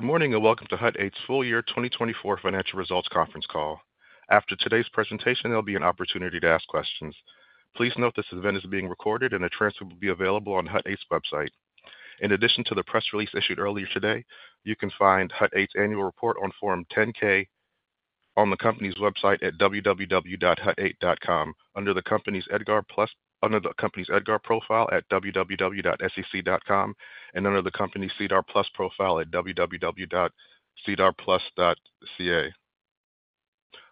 Good morning and welcome to Hut 8's Full Year 2024 Financial Results Conference Call. After today's presentation, there'll be an opportunity to ask questions. Please note this event is being recorded and a transcript will be available on Hut 8's website. In addition to the press release issued earlier today, you can find Hut 8's annual report on Form 10-K on the company's website at www.hut8.com, under the company's EDGAR profile at www.sec.gov, and under the company's SEDAR+ profile at www.sedarplus.ca.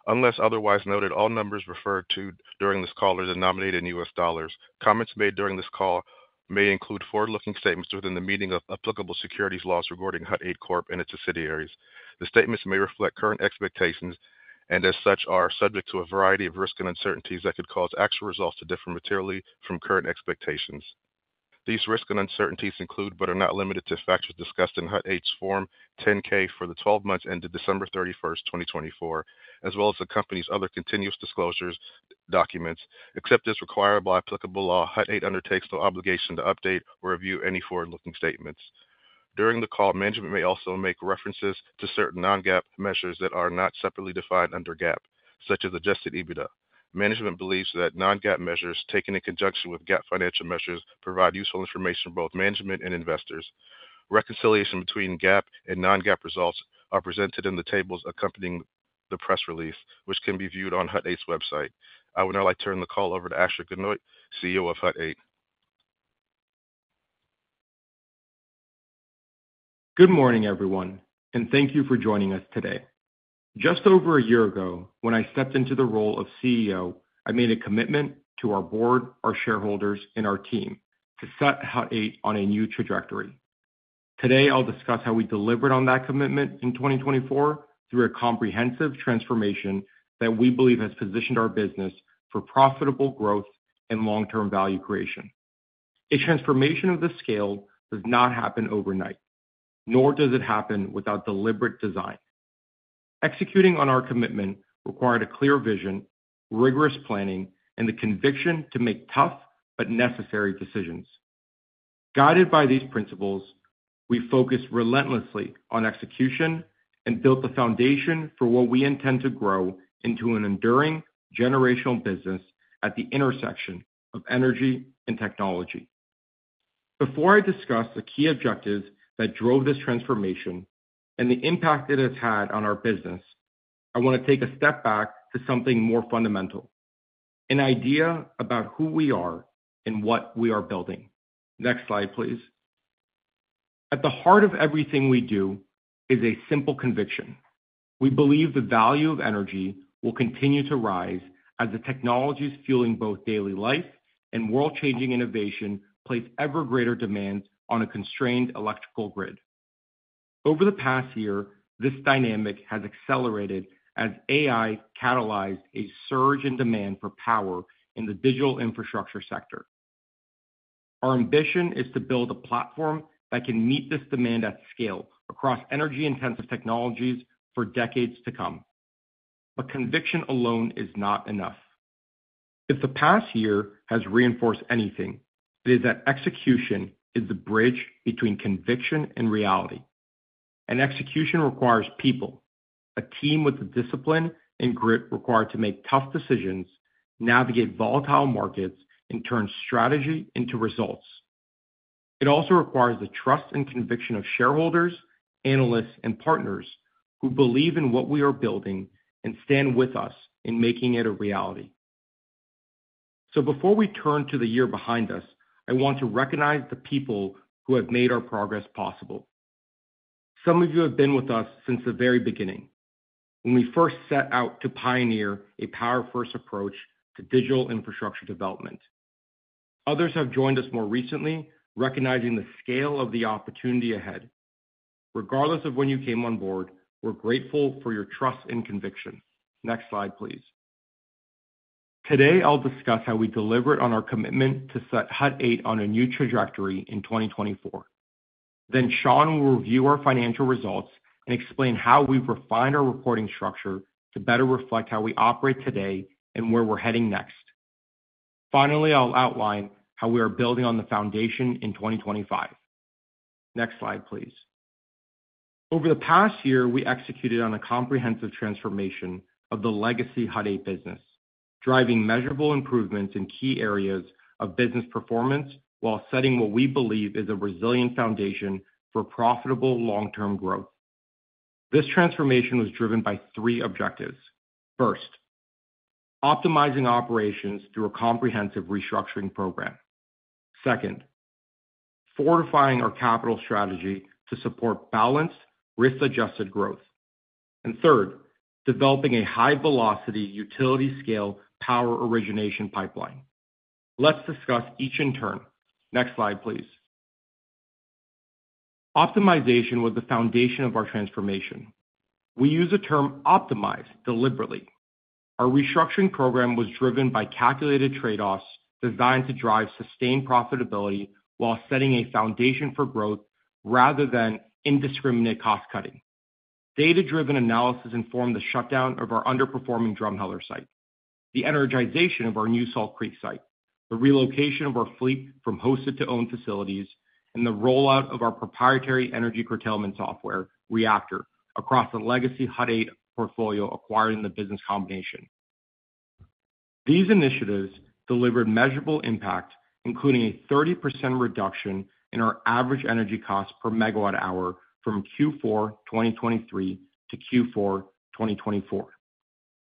Unless otherwise noted, all numbers referred to during this call are denominated in U.S. dollars. Comments made during this call may include forward-looking statements within the meaning of applicable securities laws regarding Hut 8 Corp and its subsidiaries. The statements may reflect current expectations and, as such, are subject to a variety of risks and uncertainties that could cause actual results to differ materially from current expectations. These risks and uncertainties include, but are not limited to, factors discussed in Hut 8's Form 10-K for the 12 months ended December 31st, 2024, as well as the company's other continuous disclosures documents. Except as required by applicable law, Hut 8 undertakes no obligation to update or review any forward-looking statements. During the call, management may also make references to certain non-GAAP measures that are not separately defined under GAAP, such as Adjusted EBITDA. Management believes that non-GAAP measures taken in conjunction with GAAP financial measures provide useful information for both management and investors. Reconciliation between GAAP and non-GAAP results are presented in the tables accompanying the press release, which can be viewed on Hut 8's website. I would now like to turn the call over to Asher Genoot, CEO of Hut 8. Good morning, everyone, and thank you for joining us today. Just over a year ago, when I stepped into the role of CEO, I made a commitment to our board, our shareholders, and our team to set Hut 8 on a new trajectory. Today, I'll discuss how we delivered on that commitment in 2024 through a comprehensive transformation that we believe has positioned our business for profitable growth and long-term value creation. A transformation of the scale does not happen overnight, nor does it happen without deliberate design. Executing on our commitment required a clear vision, rigorous planning, and the conviction to make tough but necessary decisions. Guided by these principles, we focused relentlessly on execution and built the foundation for what we intend to grow into an enduring generational business at the intersection of energy and technology. Before I discuss the key objectives that drove this transformation and the impact it has had on our business, I want to take a step back to something more fundamental: an idea about who we are and what we are building. Next slide, please. At the heart of everything we do is a simple conviction. We believe the value of energy will continue to rise as the technologies fueling both daily life and world-changing innovation place ever greater demands on a constrained electrical grid. Over the past year, this dynamic has accelerated as AI catalyzed a surge in demand for power in the Digital Infrastructure sector. Our ambition is to build a platform that can meet this demand at scale across energy-intensive technologies for decades to come. But conviction alone is not enough. If the past year has reinforced anything, it is that execution is the bridge between conviction and reality, and execution requires people, a team with the discipline and grit required to make tough decisions, navigate volatile markets, and turn strategy into results. It also requires the trust and conviction of shareholders, analysts, and partners who believe in what we are building and stand with us in making it a reality, so before we turn to the year behind us, I want to recognize the people who have made our progress possible. Some of you have been with us since the very beginning, when we first set out to pioneer a power-first approach to Digital Infrastructure development. Others have joined us more recently, recognizing the scale of the opportunity ahead. Regardless of when you came on board, we're grateful for your trust and conviction. Next slide, please. Today, I'll discuss how we delivered on our commitment to set Hut 8 on a new trajectory in 2024. Then Sean will review our financial results and explain how we've refined our reporting structure to better reflect how we operate today and where we're heading next. Finally, I'll outline how we are building on the foundation in 2025. Next slide, please. Over the past year, we executed on a comprehensive transformation of the legacy Hut 8 business, driving measurable improvements in key areas of business performance while setting what we believe is a resilient foundation for profitable long-term growth. This transformation was driven by three objectives. First, optimizing operations through a comprehensive restructuring program. Second, fortifying our capital strategy to support balanced, risk-adjusted growth. And third, developing a high-velocity utility-scale power origination pipeline. Let's discuss each in turn. Next slide, please. Optimization was the foundation of our transformation. We use the term optimize deliberately. Our restructuring program was driven by calculated trade-offs designed to drive sustained profitability while setting a foundation for growth rather than indiscriminate cost-cutting. Data-driven analysis informed the shutdown of our underperforming Drumheller site, the energization of our new Salt Creek site, the relocation of our fleet from hosted-to-own facilities, and the rollout of our proprietary energy curtailment software, Reactor, across the legacy Hut 8 portfolio acquired in the business combination. These initiatives delivered measurable impact, including a 30% reduction in our average energy cost per megawatt hour from Q4 2023 to Q4 2024.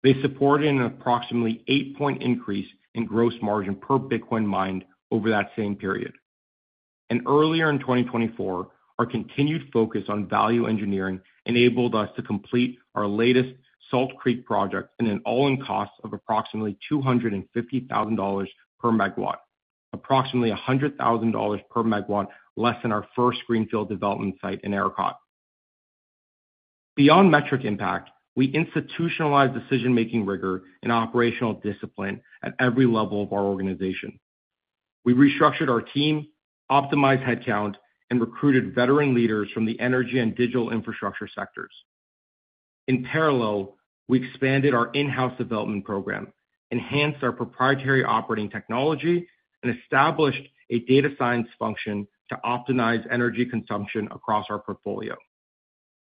They supported an approximately 8-point increase in gross margin per Bitcoin mined over that same period. Earlier in 2024, our continued focus on value engineering enabled us to complete our latest Salt Creek project in an all-in cost of approximately $250,000 per megawatt, approximately $100,000 per megawatt less than our first greenfield development site in ERCOT. Beyond metric impact, we institutionalized decision-making rigor and operational discipline at every level of our organization. We restructured our team, optimized headcount, and recruited veteran leaders from the energy and Digital Infrastructure sectors. In parallel, we expanded our in-house development program, enhanced our proprietary operating technology, and established a data science function to optimize energy consumption across our portfolio.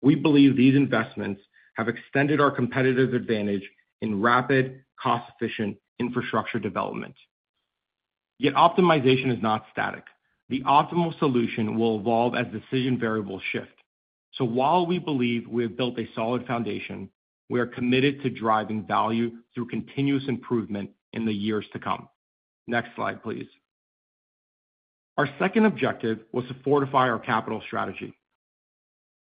We believe these investments have extended our competitive advantage in rapid, cost-efficient infrastructure development. Yet optimization is not static. The optimal solution will evolve as decision variables shift. So while we believe we have built a solid foundation, we are committed to driving value through continuous improvement in the years to come. Next slide, please. Our second objective was to fortify our capital strategy.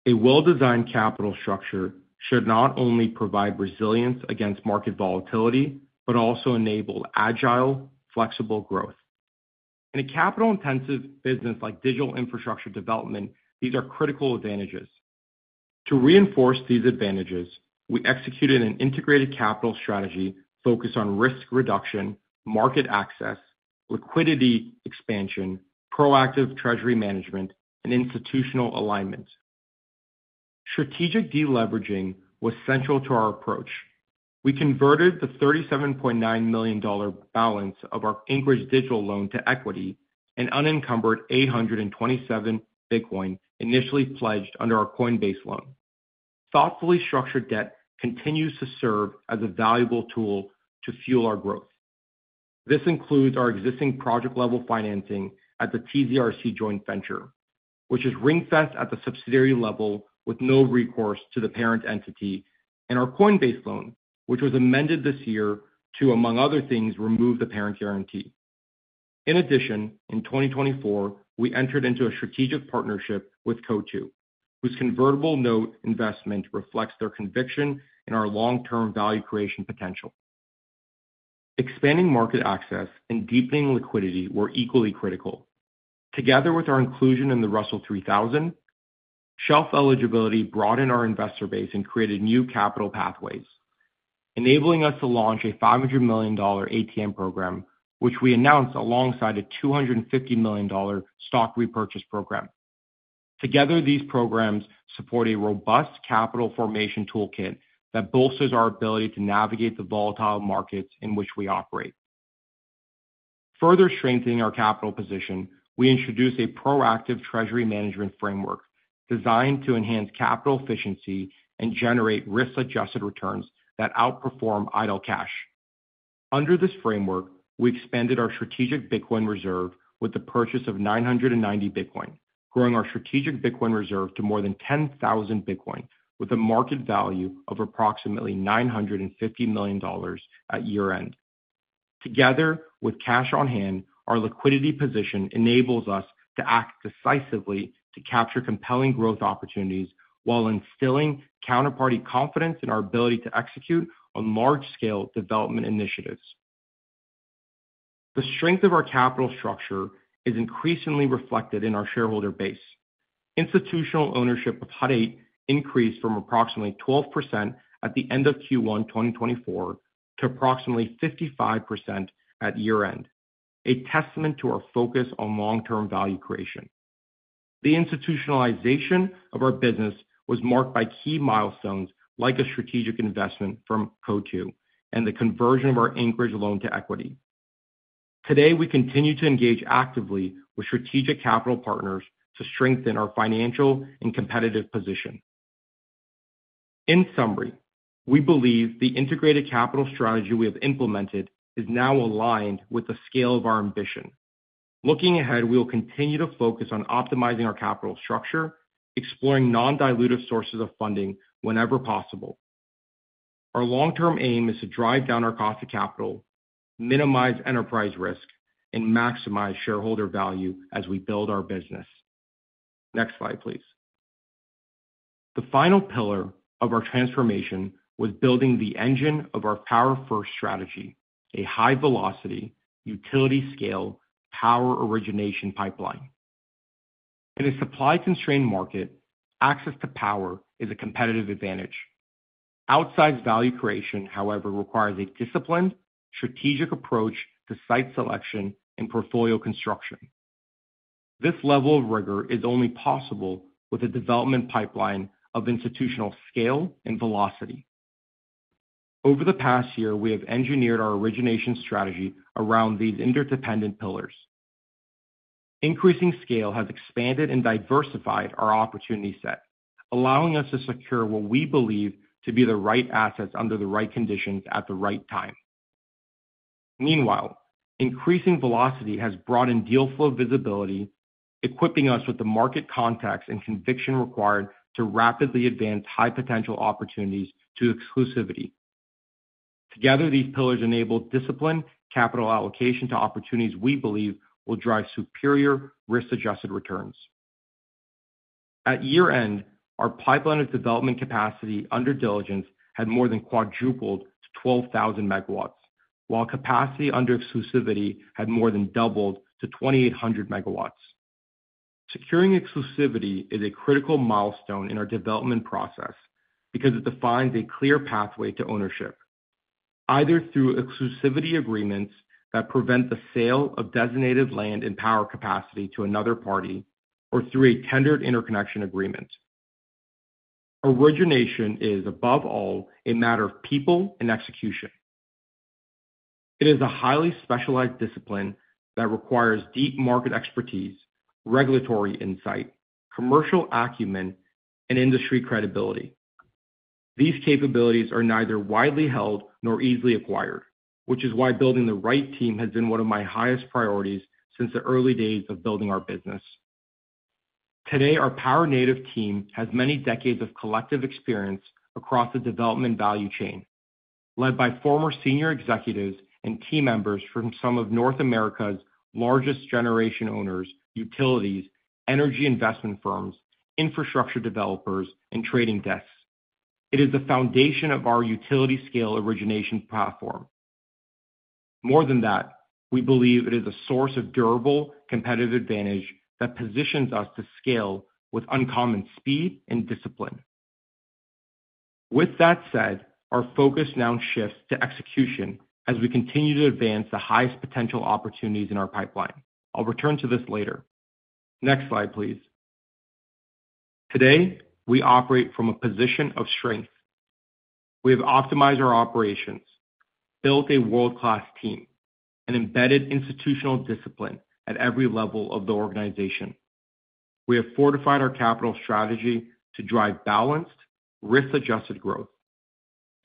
A well-designed capital structure should not only provide resilience against market volatility but also enable agile, flexible growth. In a capital-intensive business like Digital Infrastructure development, these are critical advantages. To reinforce these advantages, we executed an integrated capital strategy focused on risk reduction, market access, liquidity expansion, proactive treasury management, and institutional alignment. Strategic deleveraging was central to our approach. We converted the $37.9 million balance of our Anchorage Digital loan to equity and unencumbered 827 Bitcoin initially pledged under our Coinbase loan. Thoughtfully structured debt continues to serve as a valuable tool to fuel our growth. This includes our existing project-level financing at the TZRC Joint Venture, which is ring-fenced at the subsidiary level with no recourse to the parent entity, and our Coinbase loan, which was amended this year to, among other things, remove the parent guarantee. In addition, in 2024, we entered into a strategic partnership with Coatue, whose convertible note investment reflects their conviction in our long-term value creation potential. Expanding market access and deepening liquidity were equally critical. Together with our inclusion in the Russell 3000, shelf eligibility broadened our investor base and created new capital pathways, enabling us to launch a $500 million ATM program, which we announced alongside a $250 million stock repurchase program. Together, these programs support a robust capital formation toolkit that bolsters our ability to navigate the volatile markets in which we operate. Further strengthening our capital position, we introduced a proactive treasury management framework designed to enhance capital efficiency and generate risk-adjusted returns that outperform idle cash. Under this framework, we expanded our strategic Bitcoin reserve with the purchase of 990 Bitcoin, growing our strategic Bitcoin reserve to more than 10,000 Bitcoin with a market value of approximately $950 million at year-end. Together with cash on hand, our liquidity position enables us to act decisively to capture compelling growth opportunities while instilling counterparty confidence in our ability to execute on large-scale development initiatives. The strength of our capital structure is increasingly reflected in our shareholder base. Institutional ownership of Hut 8 increased from approximately 12% at the end of Q1 2024 to approximately 55% at year-end, a testament to our focus on long-term value creation. The institutionalization of our business was marked by key milestones like a strategic investment from Coatue and the conversion of our Anchorage loan to equity. Today, we continue to engage actively with strategic capital partners to strengthen our financial and competitive position. In summary, we believe the integrated capital strategy we have implemented is now aligned with the scale of our ambition. Looking ahead, we will continue to focus on optimizing our capital structure, exploring non-dilutive sources of funding whenever possible. Our long-term aim is to drive down our cost of capital, minimize enterprise risk, and maximize shareholder value as we build our business. Next slide, please. The final pillar of our transformation was building the engine of our power-first strategy, a high-velocity utility-scale power origination pipeline. In a supply-constrained market, access to power is a competitive advantage. Outsized value creation, however, requires a disciplined, strategic approach to site selection and portfolio construction. This level of rigor is only possible with a development pipeline of institutional scale and velocity. Over the past year, we have engineered our origination strategy around these interdependent pillars. Increasing scale has expanded and diversified our opportunity set, allowing us to secure what we believe to be the right assets under the right conditions at the right time. Meanwhile, increasing velocity has broadened deal flow visibility, equipping us with the market context and conviction required to rapidly advance high-potential opportunities to exclusivity. Together, these pillars enable disciplined capital allocation to opportunities we believe will drive superior risk-adjusted returns. At year-end, our pipeline of development capacity under diligence had more than quadrupled to 12,000 MW, while capacity under exclusivity had more than doubled to 2,800 MW. Securing exclusivity is a critical milestone in our development process because it defines a clear pathway to ownership, either through exclusivity agreements that prevent the sale of designated land and power capacity to another party or through a tendered interconnection agreement. Origination is, above all, a matter of people and execution. It is a highly specialized discipline that requires deep market expertise, regulatory insight, commercial acumen, and industry credibility. These capabilities are neither widely held nor easily acquired, which is why building the right team has been one of my highest priorities since the early days of building our business. Today, our power-native team has many decades of collective experience across the development value chain, led by former senior executives and team members from some of North America's largest generation owners, utilities, energy investment firms, infrastructure developers, and trading desks. It is the foundation of our utility-scale origination platform. More than that, we believe it is a source of durable competitive advantage that positions us to scale with uncommon speed and discipline. With that said, our focus now shifts to execution as we continue to advance the highest potential opportunities in our pipeline. I'll return to this later. Next slide, please. Today, we operate from a position of strength. We have optimized our operations, built a world-class team, and embedded institutional discipline at every level of the organization. We have fortified our capital strategy to drive balanced, risk-adjusted growth.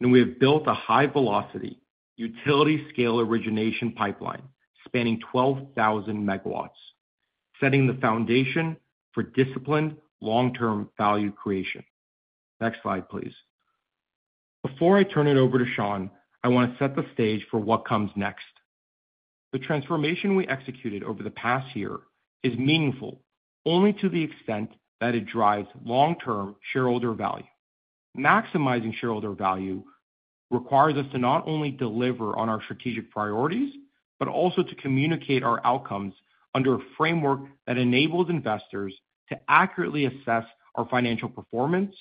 And we have built a high-velocity utility-scale origination pipeline spanning 12,000 MW, setting the foundation for disciplined long-term value creation. Next slide, please. Before I turn it over to Sean, I want to set the stage for what comes next. The transformation we executed over the past year is meaningful only to the extent that it drives long-term shareholder value. Maximizing shareholder value requires us to not only deliver on our strategic priorities but also to communicate our outcomes under a framework that enables investors to accurately assess our financial performance,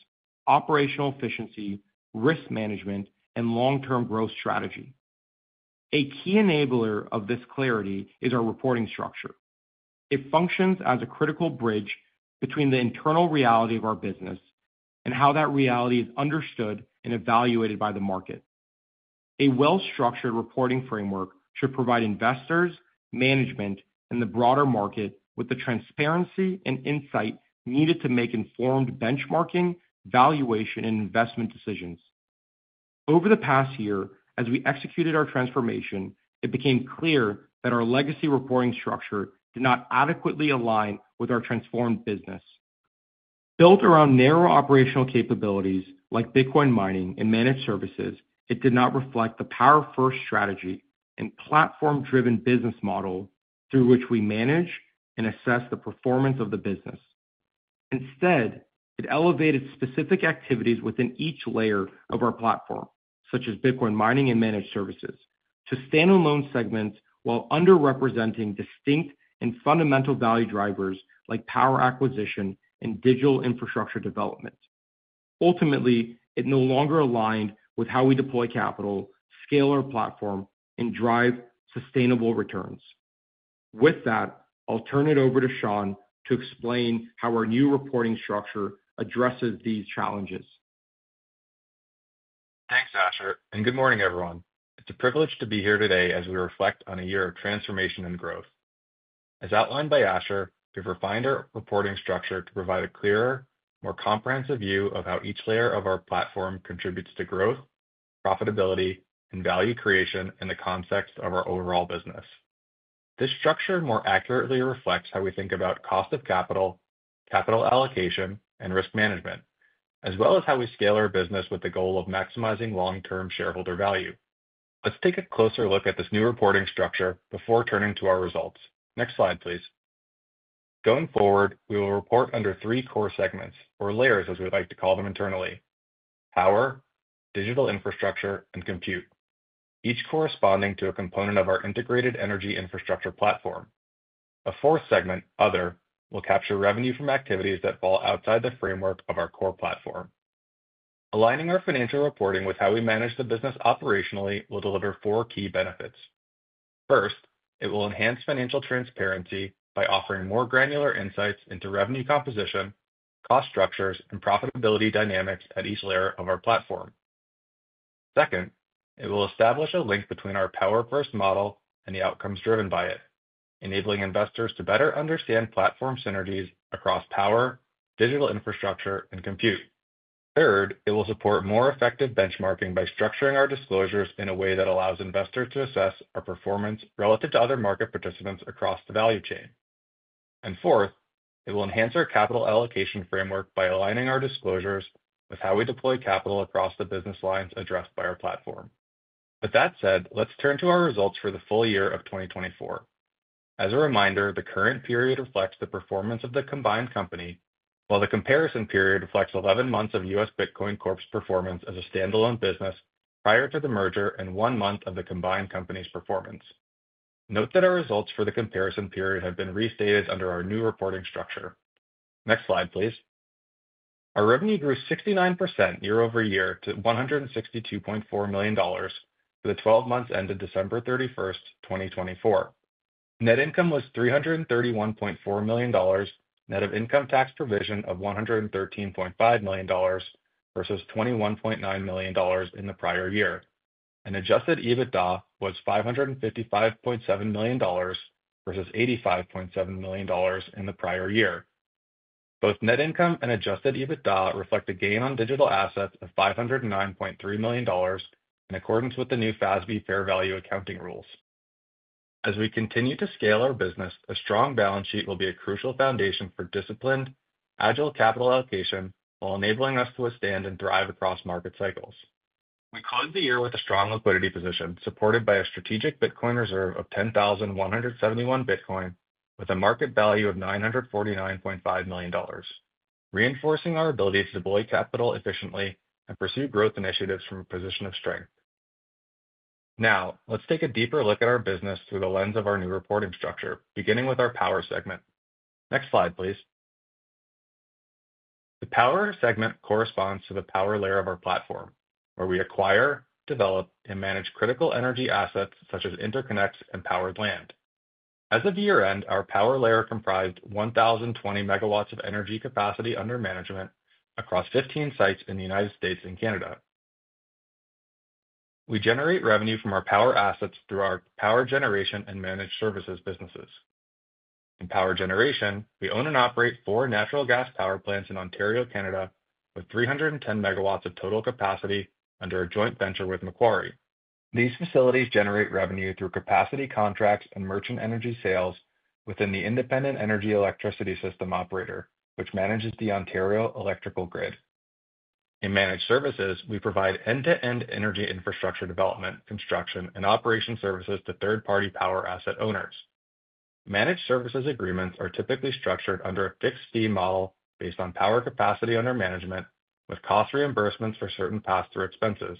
operational efficiency, risk management, and long-term growth strategy. A key enabler of this clarity is our reporting structure. It functions as a critical bridge between the internal reality of our business and how that reality is understood and evaluated by the market. A well-structured reporting framework should provide investors, management, and the broader market with the transparency and insight needed to make informed benchmarking, valuation, and investment decisions. Over the past year, as we executed our transformation, it became clear that our legacy reporting structure did not adequately align with our transformed business. Built around narrow operational capabilities like Bitcoin mining and Managed Services, it did not reflect the power-first strategy and platform-driven business model through which we manage and assess the performance of the business. Instead, it elevated specific activities within each layer of our platform, such as Bitcoin mining and Managed Services, to standalone segments while underrepresenting distinct and fundamental value drivers like power acquisition and Digital Infrastructure development. Ultimately, it no longer aligned with how we deploy capital, scale our platform, and drive sustainable returns. With that, I'll turn it over to Sean to explain how our new reporting structure addresses these challenges. Thanks, Asher. Good morning, everyone. It's a privilege to be here today as we reflect on a year of transformation and growth. As outlined by Asher, we've refined our reporting structure to provide a clearer, more comprehensive view of how each layer of our platform contributes to growth, profitability, and value creation in the context of our overall business. This structure more accurately reflects how we think about cost of capital, capital allocation, and risk management, as well as how we scale our business with the goal of maximizing long-term shareholder value. Let's take a closer look at this new reporting structure before turning to our results. Next slide, please. Going forward, we will report under three core segments, or layers as we like to call them internally: Power, Digital Infrastructure, and Compute, each corresponding to a component of our integrated energy infrastructure platform. A fourth segment, Other, will capture revenue from activities that fall outside the framework of our core platform. Aligning our financial reporting with how we manage the business operationally will deliver four key benefits. First, it will enhance financial transparency by offering more granular insights into revenue composition, cost structures, and profitability dynamics at each layer of our platform. Second, it will establish a link between our power-first model and the outcomes driven by it, enabling investors to better understand platform synergies across Power, Digital Infrastructure, and Compute. Third, it will support more effective benchmarking by structuring our disclosures in a way that allows investors to assess our performance relative to other market participants across the value chain. And fourth, it will enhance our capital allocation framework by aligning our disclosures with how we deploy capital across the business lines addressed by our platform. With that said, let's turn to our results for the full year of 2024. As a reminder, the current period reflects the performance of the combined company, while the comparison period reflects 11 months of U.S. Bitcoin Corp's performance as a standalone business prior to the merger and one month of the combined company's performance. Note that our results for the comparison period have been restated under our new reporting structure. Next slide, please. Our revenue grew 69% year-over-year to $162.4 million for the 12 months ended December 31st, 2024. Net income was $331.4 million, net of income tax provision of $113.5 million versus $21.9 million in the prior year. And Adjusted EBITDA was $555.7 million versus $85.7 million in the prior year. Both net income and Adjusted EBITDA reflect a gain on digital assets of $509.3 million in accordance with the new FASB Fair Value Accounting rules. As we continue to scale our business, a strong balance sheet will be a crucial foundation for disciplined, agile capital allocation while enabling us to withstand and thrive across market cycles. We closed the year with a strong liquidity position supported by a strategic Bitcoin reserve of 10,171 Bitcoin with a market value of $949.5 million, reinforcing our ability to deploy capital efficiently and pursue growth initiatives from a position of strength. Now, let's take a deeper look at our business through the lens of our new reporting structure, beginning with our Power segment. Next slide, please. The Power segment corresponds to the power layer of our platform, where we acquire, develop, and manage critical energy assets such as interconnects and powered land. As of year-end, our Power layer comprised 1,020 MW of energy capacity under management across 15 sites in the United States and Canada. We generate revenue from our Power assets through our Power Generation and Managed Services businesses. In Power Generation, we own and operate four natural gas power plants in Ontario, Canada, with 310 MW of total capacity under a joint venture with Macquarie. These facilities generate revenue through capacity contracts and merchant energy sales within the Independent Electricity System Operator, which manages the Ontario Electrical Grid. In Managed Services, we provide end-to-end energy infrastructure development, construction, and operation services to third-party power asset owners. Managed Services agreements are typically structured under a fixed fee model based on power capacity under management, with cost reimbursements for certain pass-through expenses.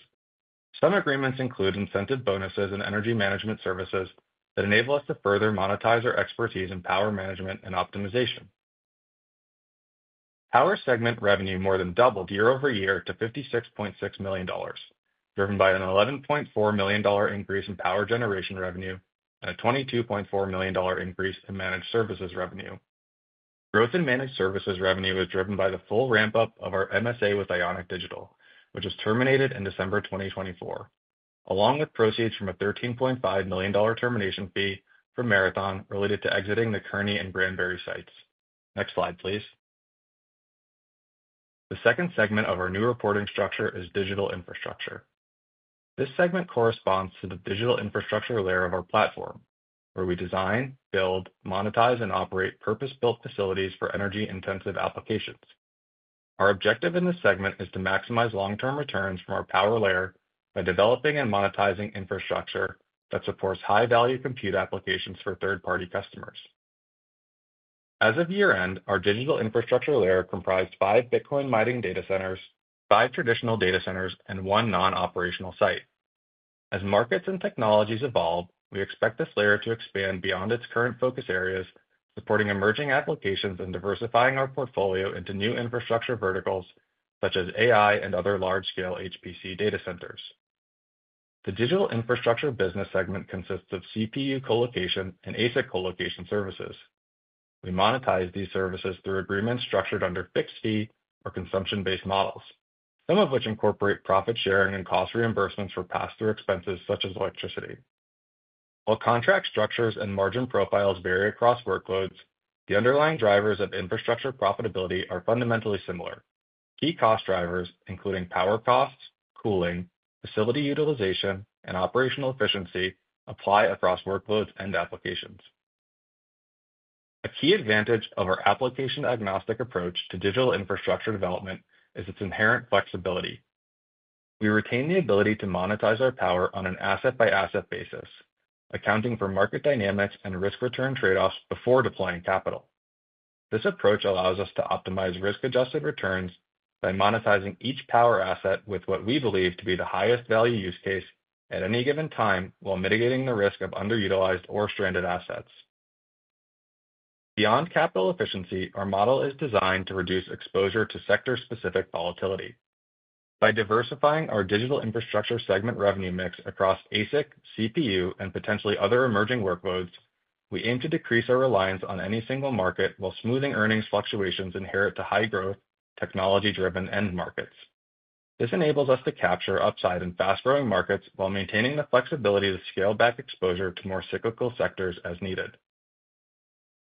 Some agreements include incentive bonuses and energy management services that enable us to further monetize our expertise in power management and optimization. Power segment revenue more than doubled year-over-year to $56.6 million, driven by an $11.4 million increase in Power Generation revenue and a $22.4 million increase in Managed Services revenue. Growth in Managed Services revenue was driven by the full ramp-up of our MSA with Ionic Digital, which was terminated in December 2024, along with proceeds from a $13.5 million termination fee for Marathon related to exiting the Kearney and Granbury sites. Next slide, please. The second segment of our new reporting structure is Digital Infrastructure. This segment corresponds to the Digital Infrastructure layer of our platform, where we design, build, monetize, and operate purpose-built facilities for energy-intensive applications. Our objective in this segment is to maximize long-term returns from our power layer by developing and monetizing infrastructure that supports high-value compute applications for third-party customers. As of year-end, our Digital Infrastructure layer comprised five Bitcoin mining data centers, five traditional data centers, and one non-operational site. As markets and technologies evolve, we expect this layer to expand beyond its current focus areas, supporting emerging applications and diversifying our portfolio into new infrastructure verticals such as AI and other large-scale HPC data centers. The Digital Infrastructure business segment consists of CPU colocation and ASIC colocation services. We monetize these services through agreements structured under fixed fee or consumption-based models, some of which incorporate profit sharing and cost reimbursements for pass-through expenses such as electricity. While contract structures and margin profiles vary across workloads, the underlying drivers of infrastructure profitability are fundamentally similar. Key cost drivers, including power costs, cooling, facility utilization, and operational efficiency, apply across workloads and applications. A key advantage of our application-agnostic approach to Digital Infrastructure development is its inherent flexibility. We retain the ability to monetize our power on an asset-by-asset basis, accounting for market dynamics and risk-return trade-offs before deploying capital. This approach allows us to optimize risk-adjusted returns by monetizing each power asset with what we believe to be the highest value use case at any given time while mitigating the risk of underutilized or stranded assets. Beyond capital efficiency, our model is designed to reduce exposure to sector-specific volatility. By diversifying our Digital Infrastructure segment revenue mix across ASIC, CPU, and potentially other emerging workloads, we aim to decrease our reliance on any single market while smoothing earnings fluctuations inherent to high-growth, technology-driven end markets. This enables us to capture upside in fast-growing markets while maintaining the flexibility to scale back exposure to more cyclical sectors as needed.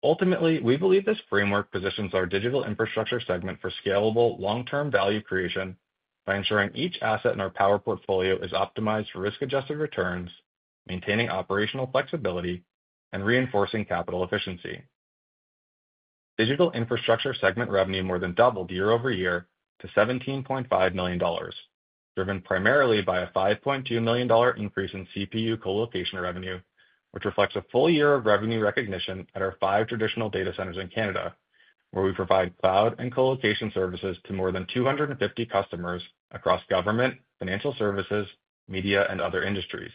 Ultimately, we believe this framework positions our Digital Infrastructure segment for scalable long-term value creation by ensuring each asset in our power portfolio is optimized for risk-adjusted returns, maintaining operational flexibility, and reinforcing capital efficiency. Digital Infrastructure segment revenue more than doubled year-over-year to $17.5 million, driven primarily by a $5.2 million increase in CPU colocation revenue, which reflects a full year of revenue recognition at our five traditional data centers in Canada, where we provide cloud and colocation services to more than 250 customers across government, financial services, media, and other industries.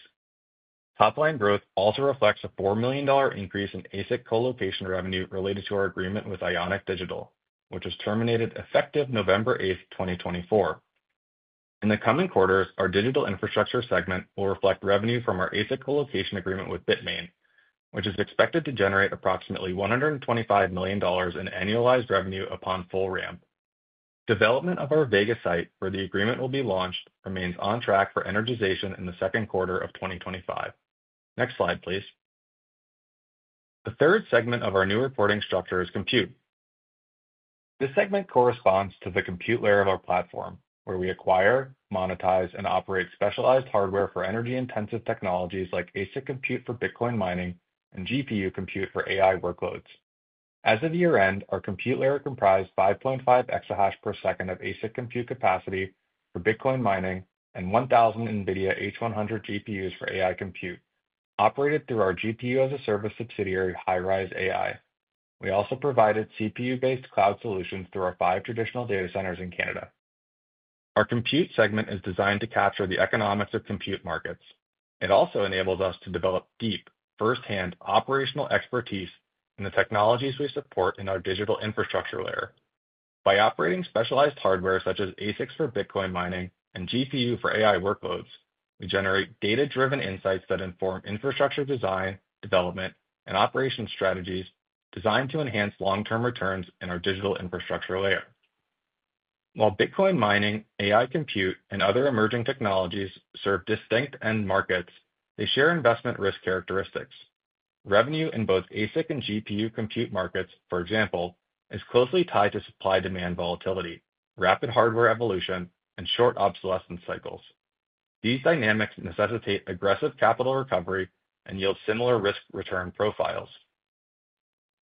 Top-line growth also reflects a $4 million increase in ASIC colocation revenue related to our agreement with Ionic Digital, which was terminated effective November 8, 2024. In the coming quarters, our Digital Infrastructure segment will reflect revenue from our ASIC Colocation agreement with BITMAIN, which is expected to generate approximately $125 million in annualized revenue upon full ramp. Development of our Vega site where the agreement will be launched remains on track for energization in the second quarter of 2025. Next slide, please. The third segment of our new reporting structure is Compute. This segment corresponds to the compute layer of our platform, where we acquire, monetize, and operate specialized hardware for energy-intensive technologies like ASIC compute for Bitcoin mining and GPU compute for AI workloads. As of year-end, our compute layer comprised 5.5 exahash per second of ASIC compute capacity for Bitcoin mining and 1,000 NVIDIA H100 GPUs for AI compute, operated through our GPU-as-a-service subsidiary Highrise AI. We also provided CPU-based cloud solutions through our five traditional data centers in Canada. Our Compute segment is designed to capture the economics of compute markets. It also enables us to develop deep, first-hand operational expertise in the technologies we support in our Digital Infrastructure layer. By operating specialized hardware such as ASICs for Bitcoin mining and GPU for AI workloads, we generate data-driven insights that inform infrastructure design, development, and operation strategies designed to enhance long-term returns in our Digital Infrastructure layer. While Bitcoin mining, AI compute, and other emerging technologies serve distinct end markets, they share investment risk characteristics. Revenue in both ASIC and GPU compute markets, for example, is closely tied to supply-demand volatility, rapid hardware evolution, and short obsolescence cycles. These dynamics necessitate aggressive capital recovery and yield similar risk-return profiles.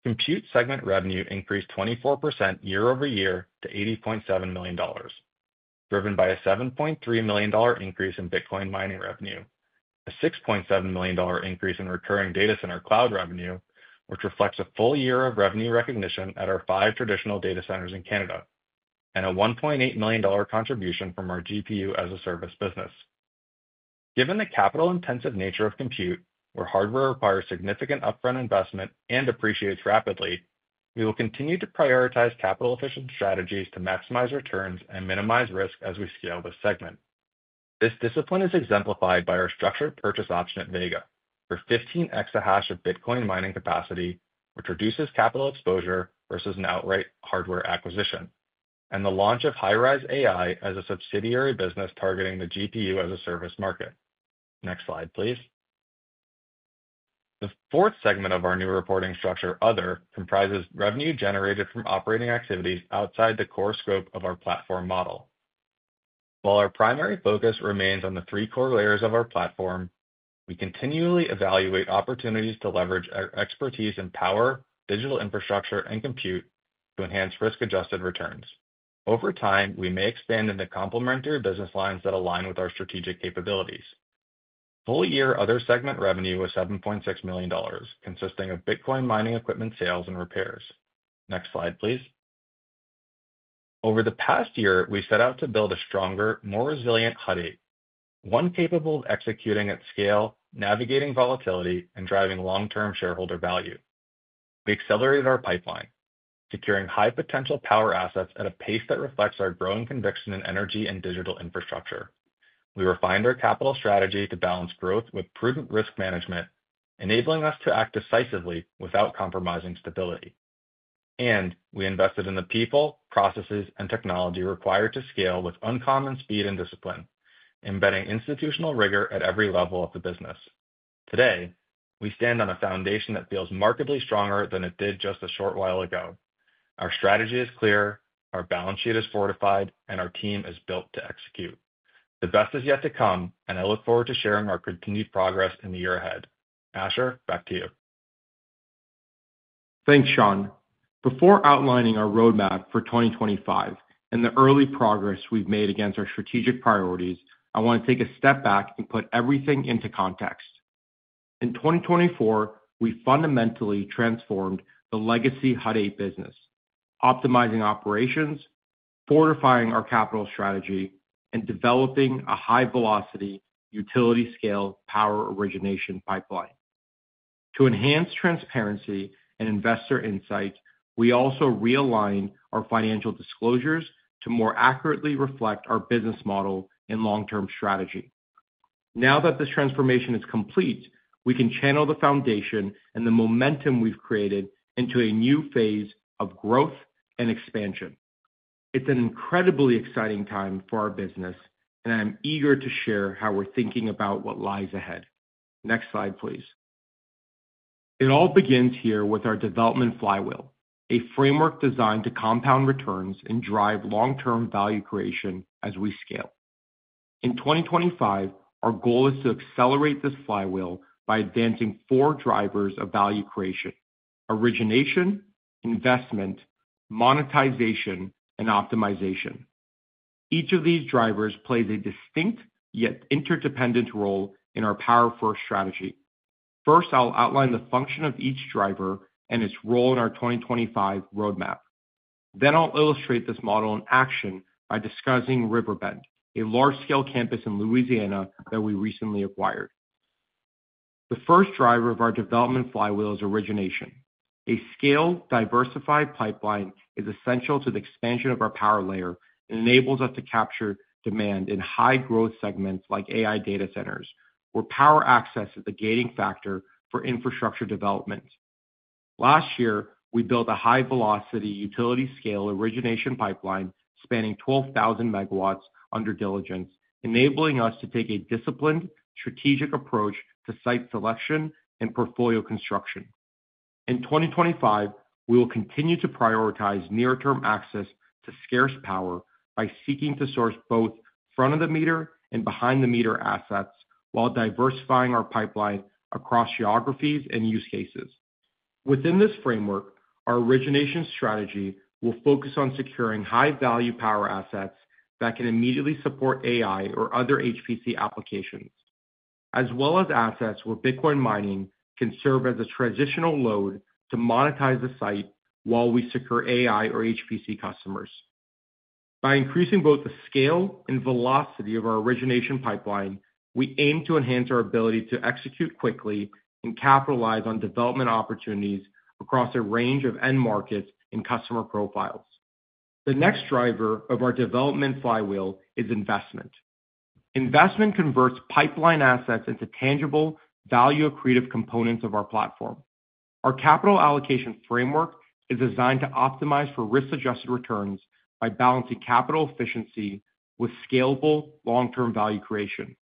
Compute segment revenue increased 24% year-over-year to $80.7 million, driven by a $7.3 million increase in Bitcoin mining revenue, a $6.7 million increase in recurring data center cloud revenue, which reflects a full year of revenue recognition at our five traditional data centers in Canada, and a $1.8 million contribution from our GPU-as-a-service business. Given the capital-intensive nature of Compute, where hardware requires significant upfront investment and depreciates rapidly, we will continue to prioritize capital-efficient strategies to maximize returns and minimize risk as we scale this segment. This discipline is exemplified by our structured purchase option at Vega, for 15 exahash of Bitcoin mining capacity, which reduces capital exposure versus an outright hardware acquisition, and the launch of Highrise AI as a subsidiary business targeting the GPU-as-a-service market. Next slide, please. The fourth segment of our new reporting structure, Other, comprises revenue generated from operating activities outside the core scope of our platform model. While our primary focus remains on the three core layers of our platform, we continually evaluate opportunities to leverage our expertise in Power, Digital Infrastructure, and Compute to enhance risk-adjusted returns. Over time, we may expand into complementary business lines that align with our strategic capabilities. Full-year Other segment revenue was $7.6 million, consisting of Bitcoin mining equipment sales and repairs. Next slide, please. Over the past year, we set out to build a stronger, more resilient Hut 8, one capable of executing at scale, navigating volatility, and driving long-term shareholder value. We accelerated our pipeline, securing high-potential power assets at a pace that reflects our growing conviction in energy and Digital Infrastructure. We refined our capital strategy to balance growth with prudent risk management, enabling us to act decisively without compromising stability, and we invested in the people, processes, and technology required to scale with uncommon speed and discipline, embedding institutional rigor at every level of the business. Today, we stand on a foundation that feels markedly stronger than it did just a short while ago. Our strategy is clear, our balance sheet is fortified, and our team is built to execute. The best is yet to come, and I look forward to sharing our continued progress in the year ahead. Asher, back to you. Thanks, Sean. Before outlining our roadmap for 2025 and the early progress we've made against our strategic priorities, I want to take a step back and put everything into context. In 2024, we fundamentally transformed the legacy Hut 8 business, optimizing operations, fortifying our capital strategy, and developing a high-velocity utility-scale power origination pipeline. To enhance transparency and investor insight, we also realigned our financial disclosures to more accurately reflect our business model and long-term strategy. Now that this transformation is complete, we can channel the foundation and the momentum we've created into a new phase of growth and expansion. It's an incredibly exciting time for our business, and I'm eager to share how we're thinking about what lies ahead. Next slide, please. It all begins here with our development flywheel, a framework designed to compound returns and drive long-term value creation as we scale. In 2025, our goal is to accelerate this flywheel by advancing four drivers of value creation: origination, investment, monetization, and optimization. Each of these drivers plays a distinct yet interdependent role in our power-first strategy. First, I'll outline the function of each driver and its role in our 2025 roadmap. Then I'll illustrate this model in action by discussing River Bend, a large-scale campus in Louisiana that we recently acquired. The first driver of our development flywheel is origination. A scaled, diversified pipeline is essential to the expansion of our Power layer and enables us to capture demand in high-growth segments like AI data centers, where power access is the gating factor for infrastructure development. Last year, we built a high-velocity utility-scale origination pipeline spanning 12,000 MW under diligence, enabling us to take a disciplined, strategic approach to site selection and portfolio construction. In 2025, we will continue to prioritize near-term access to scarce power by seeking to source both front-of-the-meter and behind-the-meter assets while diversifying our pipeline across geographies and use cases. Within this framework, our origination strategy will focus on securing high-value power assets that can immediately support AI or other HPC applications, as well as assets where Bitcoin mining can serve as a transitional load to monetize the site while we secure AI or HPC customers. By increasing both the scale and velocity of our origination pipeline, we aim to enhance our ability to execute quickly and capitalize on development opportunities across a range of end markets and customer profiles. The next driver of our development flywheel is investment. Investment converts pipeline assets into tangible, value-accretive components of our platform. Our capital allocation framework is designed to optimize for risk-adjusted returns by balancing capital efficiency with scalable long-term value creation.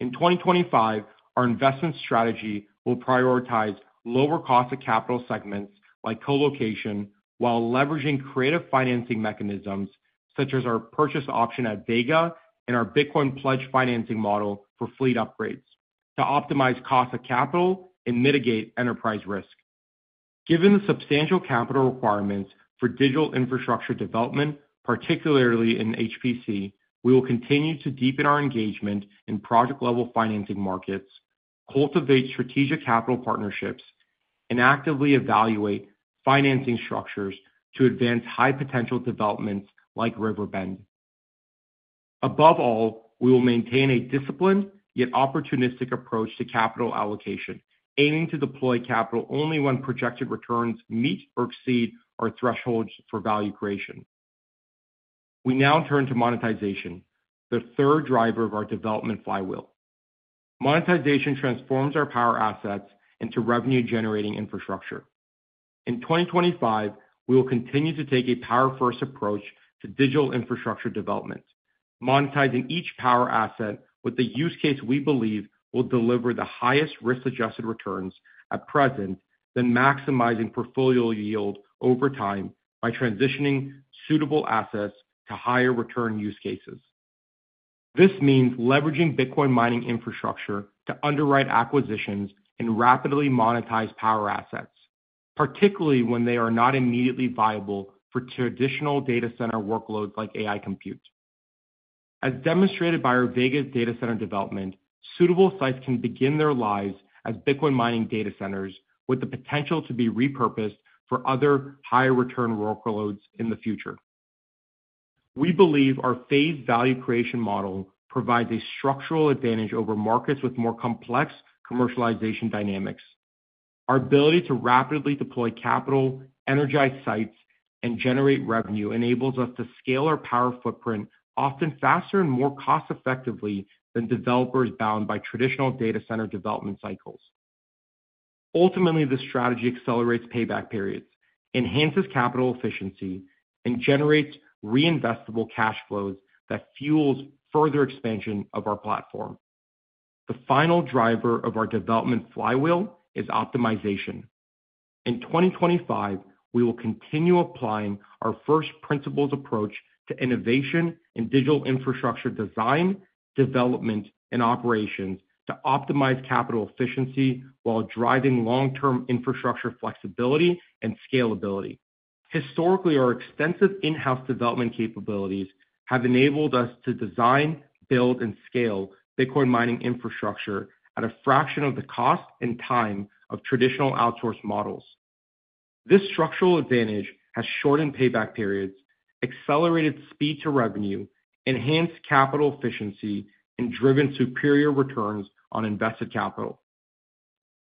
In 2025, our investment strategy will prioritize lower cost of capital segments like colocation while leveraging creative financing mechanisms such as our purchase option at Vega and our Bitcoin pledge financing model for fleet upgrades to optimize cost of capital and mitigate enterprise risk. Given the substantial capital requirements for digital infrastructure development, particularly in HPC, we will continue to deepen our engagement in project-level financing markets, cultivate strategic capital partnerships, and actively evaluate financing structures to advance high-potential developments like River Bend. Above all, we will maintain a disciplined yet opportunistic approach to capital allocation, aiming to deploy capital only when projected returns meet or exceed our thresholds for value creation. We now turn to monetization, the third driver of our development flywheel. Monetization transforms our Power assets into revenue-generating infrastructure. In 2025, we will continue to take a power-first approach to digital infrastructure development, monetizing each Power asset with the use case we believe will deliver the highest risk-adjusted returns at present, then maximizing portfolio yield over time by transitioning suitable assets to higher-return use cases. This means leveraging Bitcoin mining infrastructure to underwrite acquisitions and rapidly monetize power assets, particularly when they are not immediately viable for traditional data center workloads like AI compute. As demonstrated by our Vega data center development, suitable sites can begin their lives as Bitcoin mining data centers with the potential to be repurposed for other higher-return workloads in the future. We believe our phased value creation model provides a structural advantage over markets with more complex commercialization dynamics. Our ability to rapidly deploy capital, energize sites, and generate revenue enables us to scale our power footprint often faster and more cost-effectively than developers bound by traditional data center development cycles. Ultimately, this strategy accelerates payback periods, enhances capital efficiency, and generates reinvestable cash flows that fuel further expansion of our platform. The final driver of our development flywheel is optimization. In 2025, we will continue applying our first principles approach to innovation in digital infrastructure design, development, and operations to optimize capital efficiency while driving long-term infrastructure flexibility and scalability. Historically, our extensive in-house development capabilities have enabled us to design, build, and scale Bitcoin mining infrastructure at a fraction of the cost and time of traditional outsourced models. This structural advantage has shortened payback periods, accelerated speed to revenue, enhanced capital efficiency, and driven superior returns on invested capital.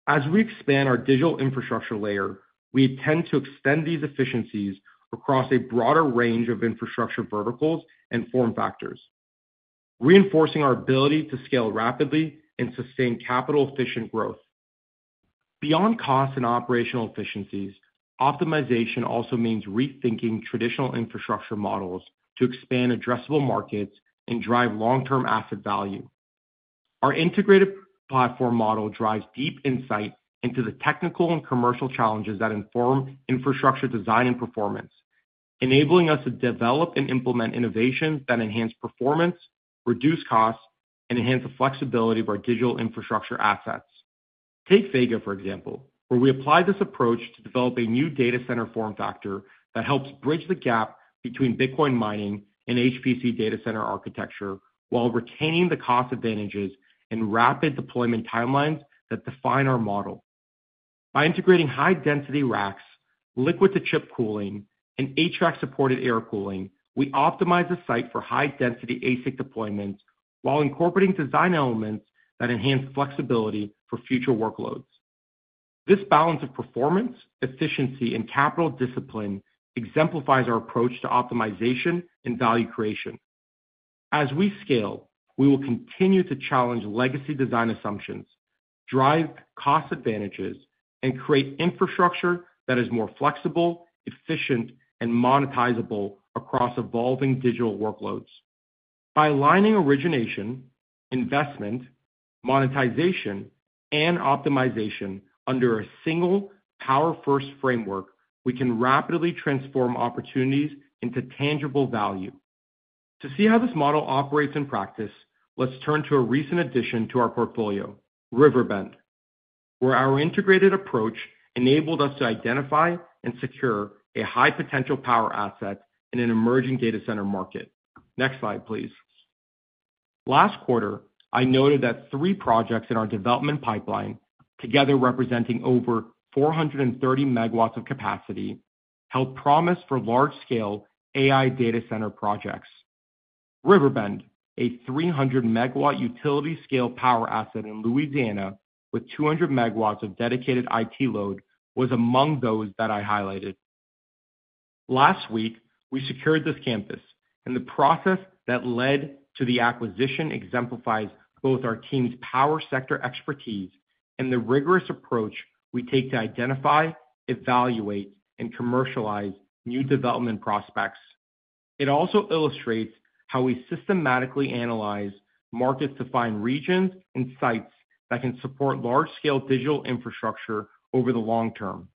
As we expand our Digital Infrastructure layer, we intend to extend these efficiencies across a broader range of infrastructure verticals and form factors, reinforcing our ability to scale rapidly and sustain capital-efficient growth. Beyond cost and operational efficiencies, optimization also means rethinking traditional infrastructure models to expand addressable markets and drive long-term asset value. Our integrated platform model drives deep insight into the technical and commercial challenges that inform infrastructure design and performance, enabling us to develop and implement innovations that enhance performance, reduce costs, and enhance the flexibility of our Digital Infrastructure assets. Take Vega, for example, where we applied this approach to develop a new data center form factor that helps bridge the gap between Bitcoin mining and HPC data center architecture while retaining the cost advantages and rapid deployment timelines that define our model. By integrating high-density racks, liquid-to-chip cooling, and HVAC-supported air cooling, we optimize the site for high-density ASIC deployments while incorporating design elements that enhance flexibility for future workloads. This balance of performance, efficiency, and capital discipline exemplifies our approach to optimization and value creation. As we scale, we will continue to challenge legacy design assumptions, drive cost advantages, and create infrastructure that is more flexible, efficient, and monetizable across evolving digital workloads. By aligning origination, investment, monetization, and optimization under a single power-first framework, we can rapidly transform opportunities into tangible value. To see how this model operates in practice, let's turn to a recent addition to our portfolio, River Bend, where our integrated approach enabled us to identify and secure a high-potential power asset in an emerging data center market. Next slide, please. Last quarter, I noted that three projects in our development pipeline, together representing over 430 MW of capacity, held promise for large-scale AI data center projects. River Bend, a 300 MW utility-scale power asset in Louisiana with 200 MW of dedicated IT load, was among those that I highlighted. Last week, we secured this campus, and the process that led to the acquisition exemplifies both our team's power sector expertise and the rigorous approach we take to identify, evaluate, and commercialize new development prospects. It also illustrates how we systematically analyze markets to find regions and sites that can support large-scale Digital Infrastructure over the long term.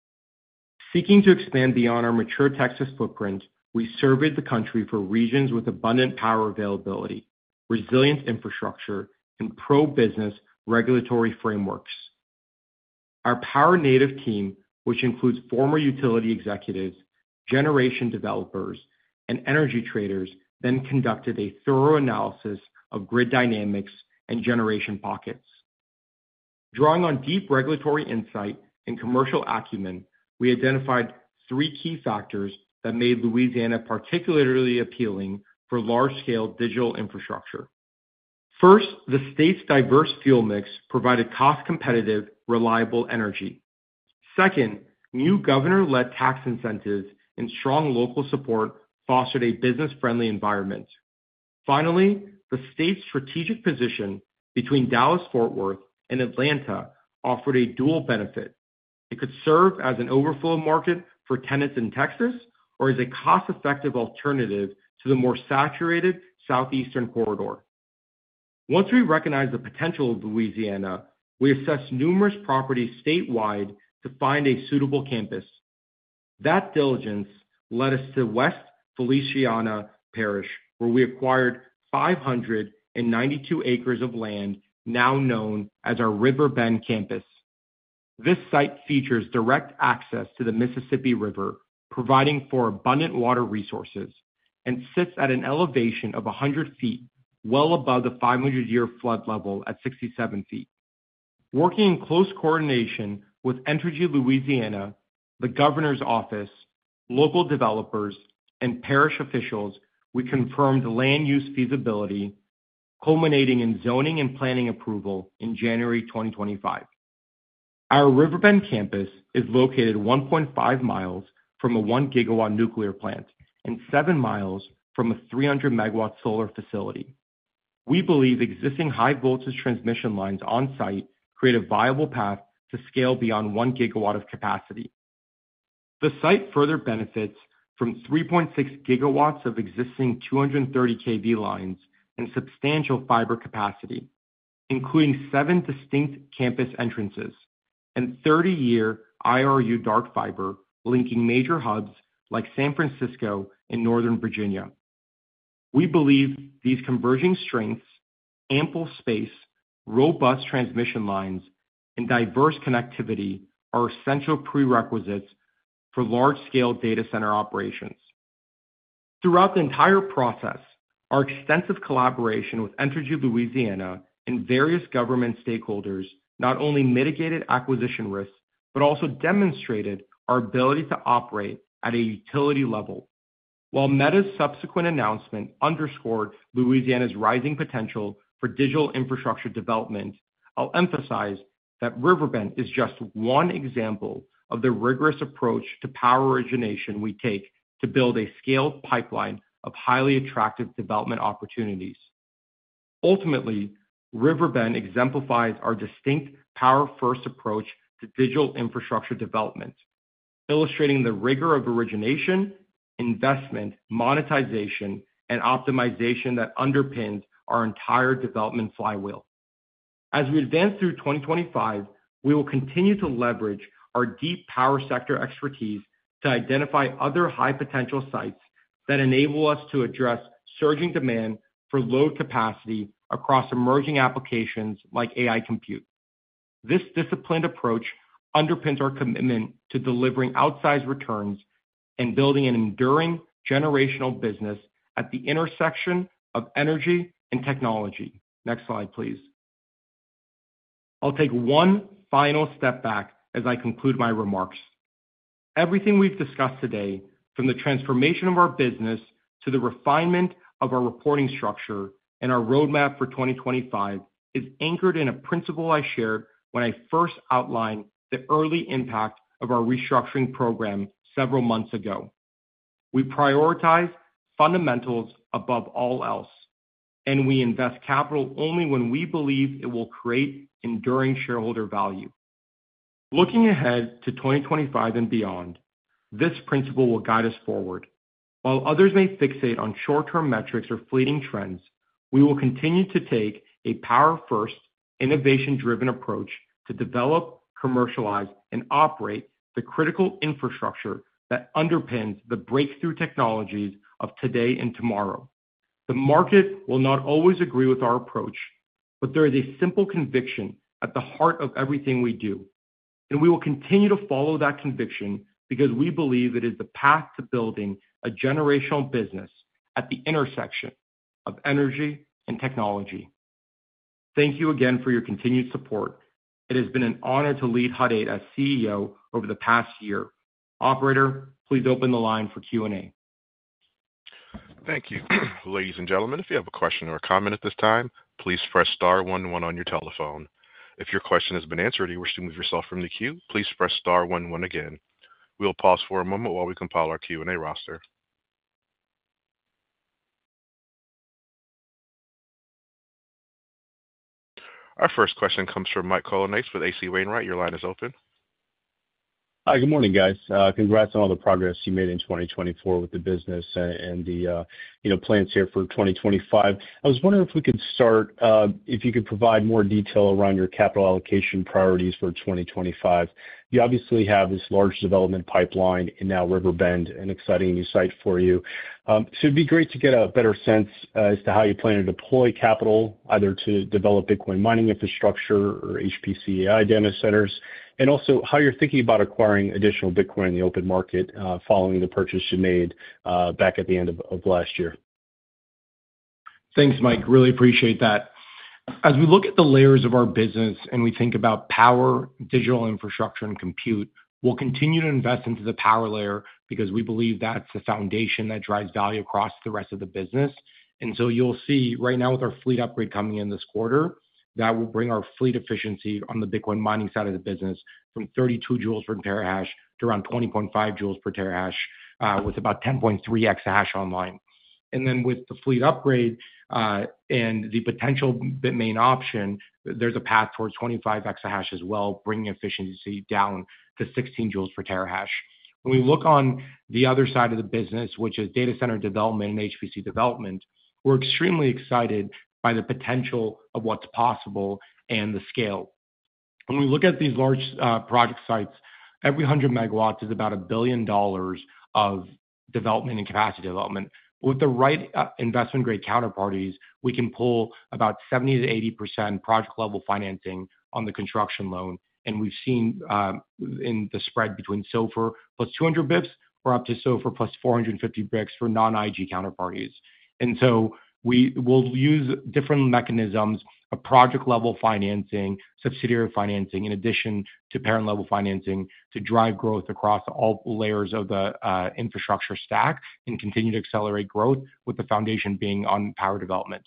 Seeking to expand beyond our mature Texas footprint, we surveyed the country for regions with abundant power availability, resilient infrastructure, and pro-business regulatory frameworks. Our power-native team, which includes former utility executives, generation developers, and energy traders, then conducted a thorough analysis of grid dynamics and generation pockets. Drawing on deep regulatory insight and commercial acumen, we identified three key factors that made Louisiana particularly appealing for large-scale Digital Infrastructure. First, the state's diverse fuel mix provided cost-competitive, reliable energy. Second, new governor-led tax incentives and strong local support fostered a business-friendly environment. Finally, the state's strategic position between Dallas-Fort Worth and Atlanta offered a dual benefit. It could serve as an overflow market for tenants in Texas or as a cost-effective alternative to the more saturated southeastern corridor. Once we recognized the potential of Louisiana, we assessed numerous properties statewide to find a suitable campus. That diligence led us to West Feliciana Parish, where we acquired 592 acres of land now known as our River Bend campus. This site features direct access to the Mississippi River, providing for abundant water resources, and sits at an elevation of 100 ft, well above the 500-year flood level at 67 ft. Working in close coordination with Entergy Louisiana, the governor's office, local developers, and parish officials, we confirmed land use feasibility, culminating in zoning and planning approval in January 2025. Our River Bend campus is located 1.5 mi from a 1 GW nuclear plant and 7 mi from a 300 MW solar facility. We believe existing high-voltage transmission lines on site create a viable path to scale beyond 1 GW of capacity. The site further benefits from 3.6 GW of existing 230 kV lines and substantial fiber capacity, including seven distinct campus entrances and 30-year IRU dark fiber linking major hubs like San Francisco and Northern Virginia. We believe these converging strengths, ample space, robust transmission lines, and diverse connectivity are essential prerequisites for large-scale data center operations. Throughout the entire process, our extensive collaboration with Entergy Louisiana and various government stakeholders not only mitigated acquisition risks but also demonstrated our ability to operate at a utility level. While Meta's subsequent announcement underscored Louisiana's rising potential for Digital Infrastructure development, I'll emphasize that River Bend is just one example of the rigorous approach to power origination we take to build a scaled pipeline of highly attractive development opportunities. Ultimately, River Bend exemplifies our distinct power-first approach to digital infrastructure development, illustrating the rigor of origination, investment, monetization, and optimization that underpins our entire development flywheel. As we advance through 2025, we will continue to leverage our deep power sector expertise to identify other high-potential sites that enable us to address surging demand for load capacity across emerging applications like AI compute. This disciplined approach underpins our commitment to delivering outsized returns and building an enduring generational business at the intersection of energy and technology. Next slide, please. I'll take one final step back as I conclude my remarks. Everything we've discussed today, from the transformation of our business to the refinement of our reporting structure and our roadmap for 2025, is anchored in a principle I shared when I first outlined the early impact of our restructuring program several months ago. We prioritize fundamentals above all else, and we invest capital only when we believe it will create enduring shareholder value. Looking ahead to 2025 and beyond, this principle will guide us forward. While others may fixate on short-term metrics or fleeting trends, we will continue to take a power-first, innovation-driven approach to develop, commercialize, and operate the critical infrastructure that underpins the breakthrough technologies of today and tomorrow. The market will not always agree with our approach, but there is a simple conviction at the heart of everything we do, and we will continue to follow that conviction because we believe it is the path to building a generational business at the intersection of energy and technology. Thank you again for your continued support. It has been an honor to lead Hut 8 as CEO over the past year. Operator, please open the line for Q&A. Thank you. Ladies and gentlemen, if you have a question or a comment at this time, please press star one one on your telephone. If your question has been answered and you wish to move yourself from the queue, please press star one one again. We'll pause for a moment while we compile our Q&A roster. Our first question comes from Mike Colonnese with H.C. Wainwright. Your line is open. Hi, good morning, guys. Congrats on all the progress you made in 2024 with the business and the plans here for 2025. I was wondering if we could start, if you could provide more detail around your capital allocation priorities for 2025. You obviously have this large development pipeline in now River Bend, an exciting new site for you. So it'd be great to get a better sense as to how you plan to deploy capital, either to develop Bitcoin mining infrastructure or HPC AI data centers, and also how you're thinking about acquiring additional Bitcoin in the open market following the purchase you made back at the end of last year. Thanks, Mike. Really appreciate that. As we look at the layers of our business and we think about Power, Digital Infrastructure, and Compute, we'll continue to invest into the Power layer because we believe that's the foundation that drives value across the rest of the business. And so you'll see right now with our fleet upgrade coming in this quarter, that will bring our fleet efficiency on the Bitcoin mining side of the business from 32 joules per terahash to around 20.5 joules per terahash with about 10.3 exahash online. And then with the fleet upgrade and the potential BITMAIN option, there's a path towards 25x hash as well, bringing efficiency down to 16 joules per terahash. When we look on the other side of the business, which is data center development and HPC development, we're extremely excited by the potential of what's possible and the scale. When we look at these large project sites, every 100 MW is about $1 billion of development and capacity development. With the right investment-grade counterparties, we can pull about 70%-80% project-level financing on the construction loan, and we've seen in the spread between SOFR plus 200 basis points or up to SOFR plus 450 basis points for non-IG counterparties. And so we'll use different mechanisms of project-level financing, subsidiary financing, in addition to parent-level financing to drive growth across all layers of the infrastructure stack and continue to accelerate growth with the foundation being on power development.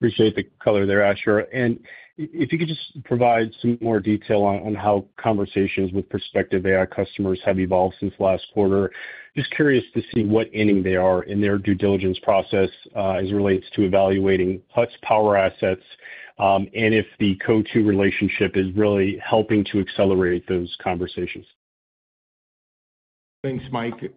Appreciate the color there, Asher. And if you could just provide some more detail on how conversations with prospective AI customers have evolved since last quarter? Just curious to see what inning they are in their due diligence process as it relates to evaluating Hut's power assets and if the Coatue relationship is really helping to accelerate those conversations. Thanks, Mike.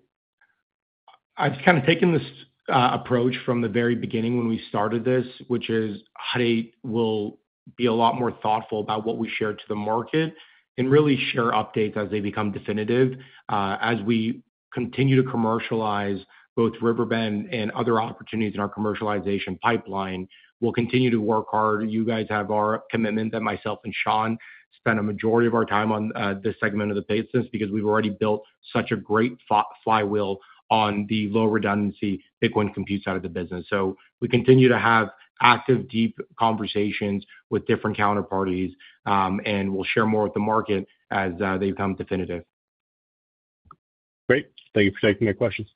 I've kind of taken this approach from the very beginning when we started this, which is Hut 8 will be a lot more thoughtful about what we share to the market and really share updates as they become definitive. As we continue to commercialize both River Bend and other opportunities in our commercialization pipeline, we'll continue to work hard. You guys have our commitment that myself and Sean spend a majority of our time on this segment of the business because we've already built such a great flywheel on the low-redundancy Bitcoin compute side of the business. So we continue to have active, deep conversations with different counterparties, and we'll share more with the market as they become definitive. Great. Thank you for taking my questions.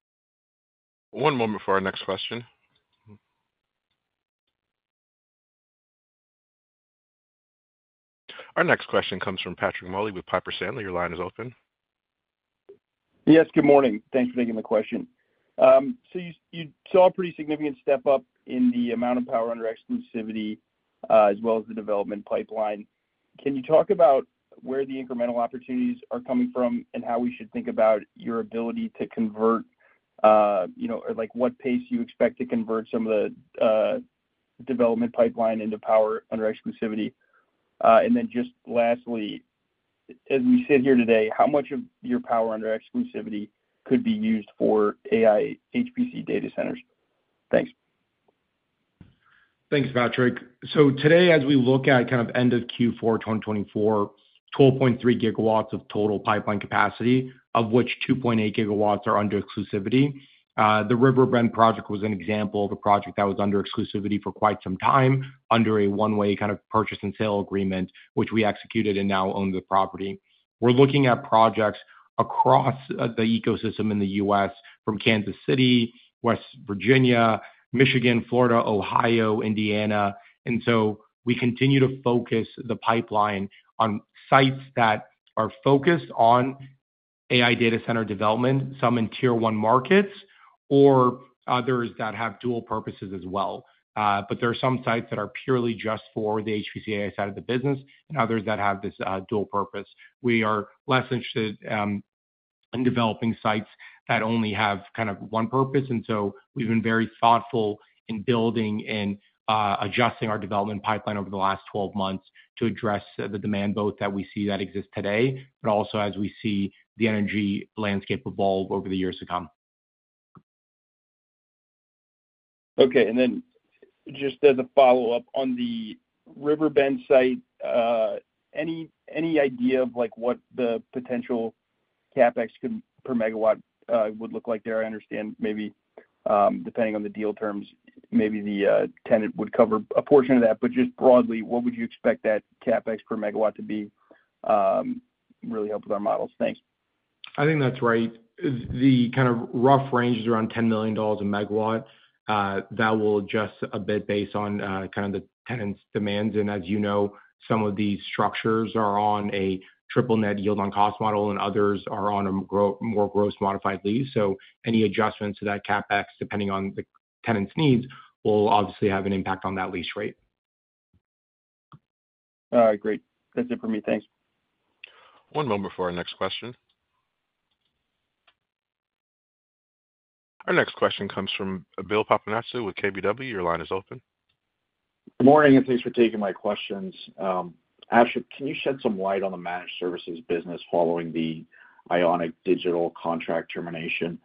One moment for our next question. Our next question comes from Patrick Moley with Piper Sandler. Your line is open. Yes, good morning. Thanks for taking the question. So you saw a pretty significant step up in the amount of power under exclusivity as well as the development pipeline. Can you talk about where the incremental opportunities are coming from and how we should think about your ability to convert or what pace you expect to convert some of the development pipeline into power under exclusivity? And then just lastly, as we sit here today, how much of your power under exclusivity could be used for AI HPC data centers? Thanks. Thanks, Patrick. So today, as we look at kind of end of Q4 2024, 12.3 GW of total pipeline capacity, of which 2.8 GW are under exclusivity. The River Bend project was an example of a project that was under exclusivity for quite some time under a one-way kind of purchase and sale agreement, which we executed and now own the property. We're looking at projects across the ecosystem in the U.S. from Kansas City, West Virginia, Michigan, Florida, Ohio, Indiana. And so we continue to focus the pipeline on sites that are focused on AI data center development, some in Tier 1 markets, or others that have dual purposes as well. But there are some sites that are purely just for the HPC AI side of the business and others that have this dual purpose. We are less interested in developing sites that only have kind of one purpose. And so we've been very thoughtful in building and adjusting our development pipeline over the last 12 months to address the demand both that we see that exists today, but also as we see the energy landscape evolve over the years to come. Okay. And then just as a follow-up on the River Bend site, any idea of what the potential CapEx per megawatt would look like there? I understand maybe depending on the deal terms, maybe the tenant would cover a portion of that. But just broadly, what would you expect that CapEx per megawatt to be? Really help with our models. Thanks. I think that's right. The kind of rough range is around $10 million a megawatt. That will adjust a bit based on kind of the tenant's demands. And as you know, some of these structures are on a triple-net yield on cost model, and others are on a more gross modified lease. So any adjustments to that CapEx, depending on the tenant's needs, will obviously have an impact on that lease rate. All right. Great. That's it for me. Thanks. One moment for our next question. Our next question comes from Bill Papanastasiou with KBW. Your line is open. Good morning, and thanks for taking my questions. Asher, can you shed some light on the Managed Services business following the Ionic Digital contract termination?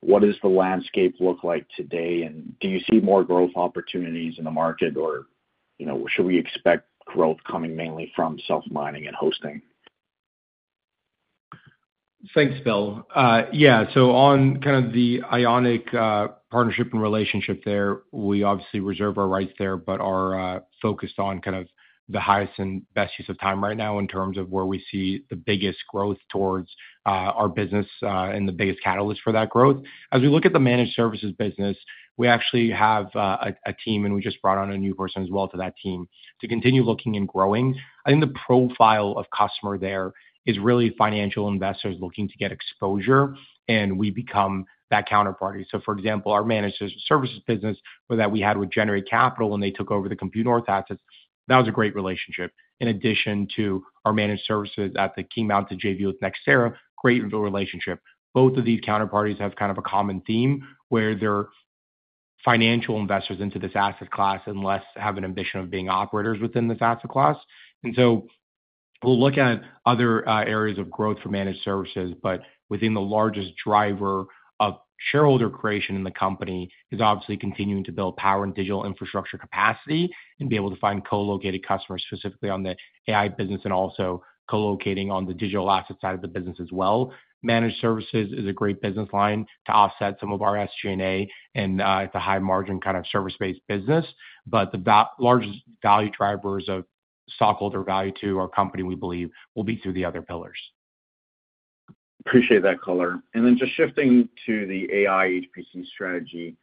What does the landscape look like today, and do you see more growth opportunities in the market, or should we expect growth coming mainly from self-mining and hosting? Thanks, Bill. Yeah. So on kind of the Ionic Digital partnership and relationship there, we obviously reserve our rights there, but are focused on kind of the highest and best use of time right now in terms of where we see the biggest growth towards our business and the biggest catalyst for that growth. As we look at the Managed Services business, we actually have a team, and we just brought on a new person as well to that team to continue looking and growing. I think the profile of customer there is really financial investors looking to get exposure, and we become that counterparty. So, for example, our Managed Services business that we had would Generate Capital when they took over the Compute North assets. That was a great relationship. In addition to our Managed Services at the King Mountain JV with NextEra, great relationship. Both of these counterparties have kind of a common theme where they're financial investors into this asset class and less have an ambition of being operators within this asset class. And so we'll look at other areas of growth for Managed Services, but the largest driver of shareholder creation in the company is obviously continuing to build power and digital infrastructure capacity and be able to find colocated customers specifically on the AI business and also colocating on the digital asset side of the business as well. Managed Services is a great business line to offset some of our SG&A, and it's a high-margin kind of service-based business, but the largest value drivers of stockholder value to our company, we believe, will be through the other pillars. Appreciate that color. And then just shifting to the AI HPC strategy,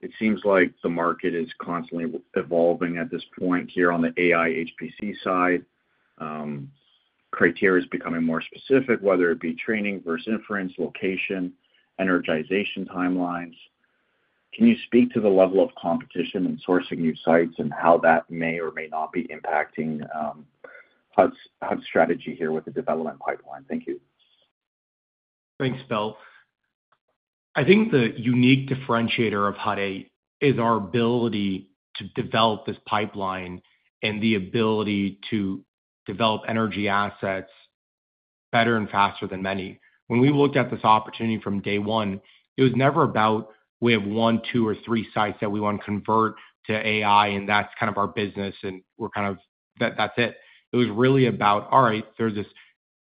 it seems like the market is constantly evolving at this point here on the AI HPC side. Criteria is becoming more specific, whether it be training versus inference, location, energization timelines. Can you speak to the level of competition in sourcing new sites and how that may or may not be impacting Hut 8's strategy here with the development pipeline? Thank you. Thanks, Bill. I think the unique differentiator of Hut 8 is our ability to develop this pipeline and the ability to develop energy assets better and faster than many. When we looked at this opportunity from day one, it was never about we have one, two, or three sites that we want to convert to AI, and that's kind of our business, and we're kind of that's it. It was really about, all right, there's this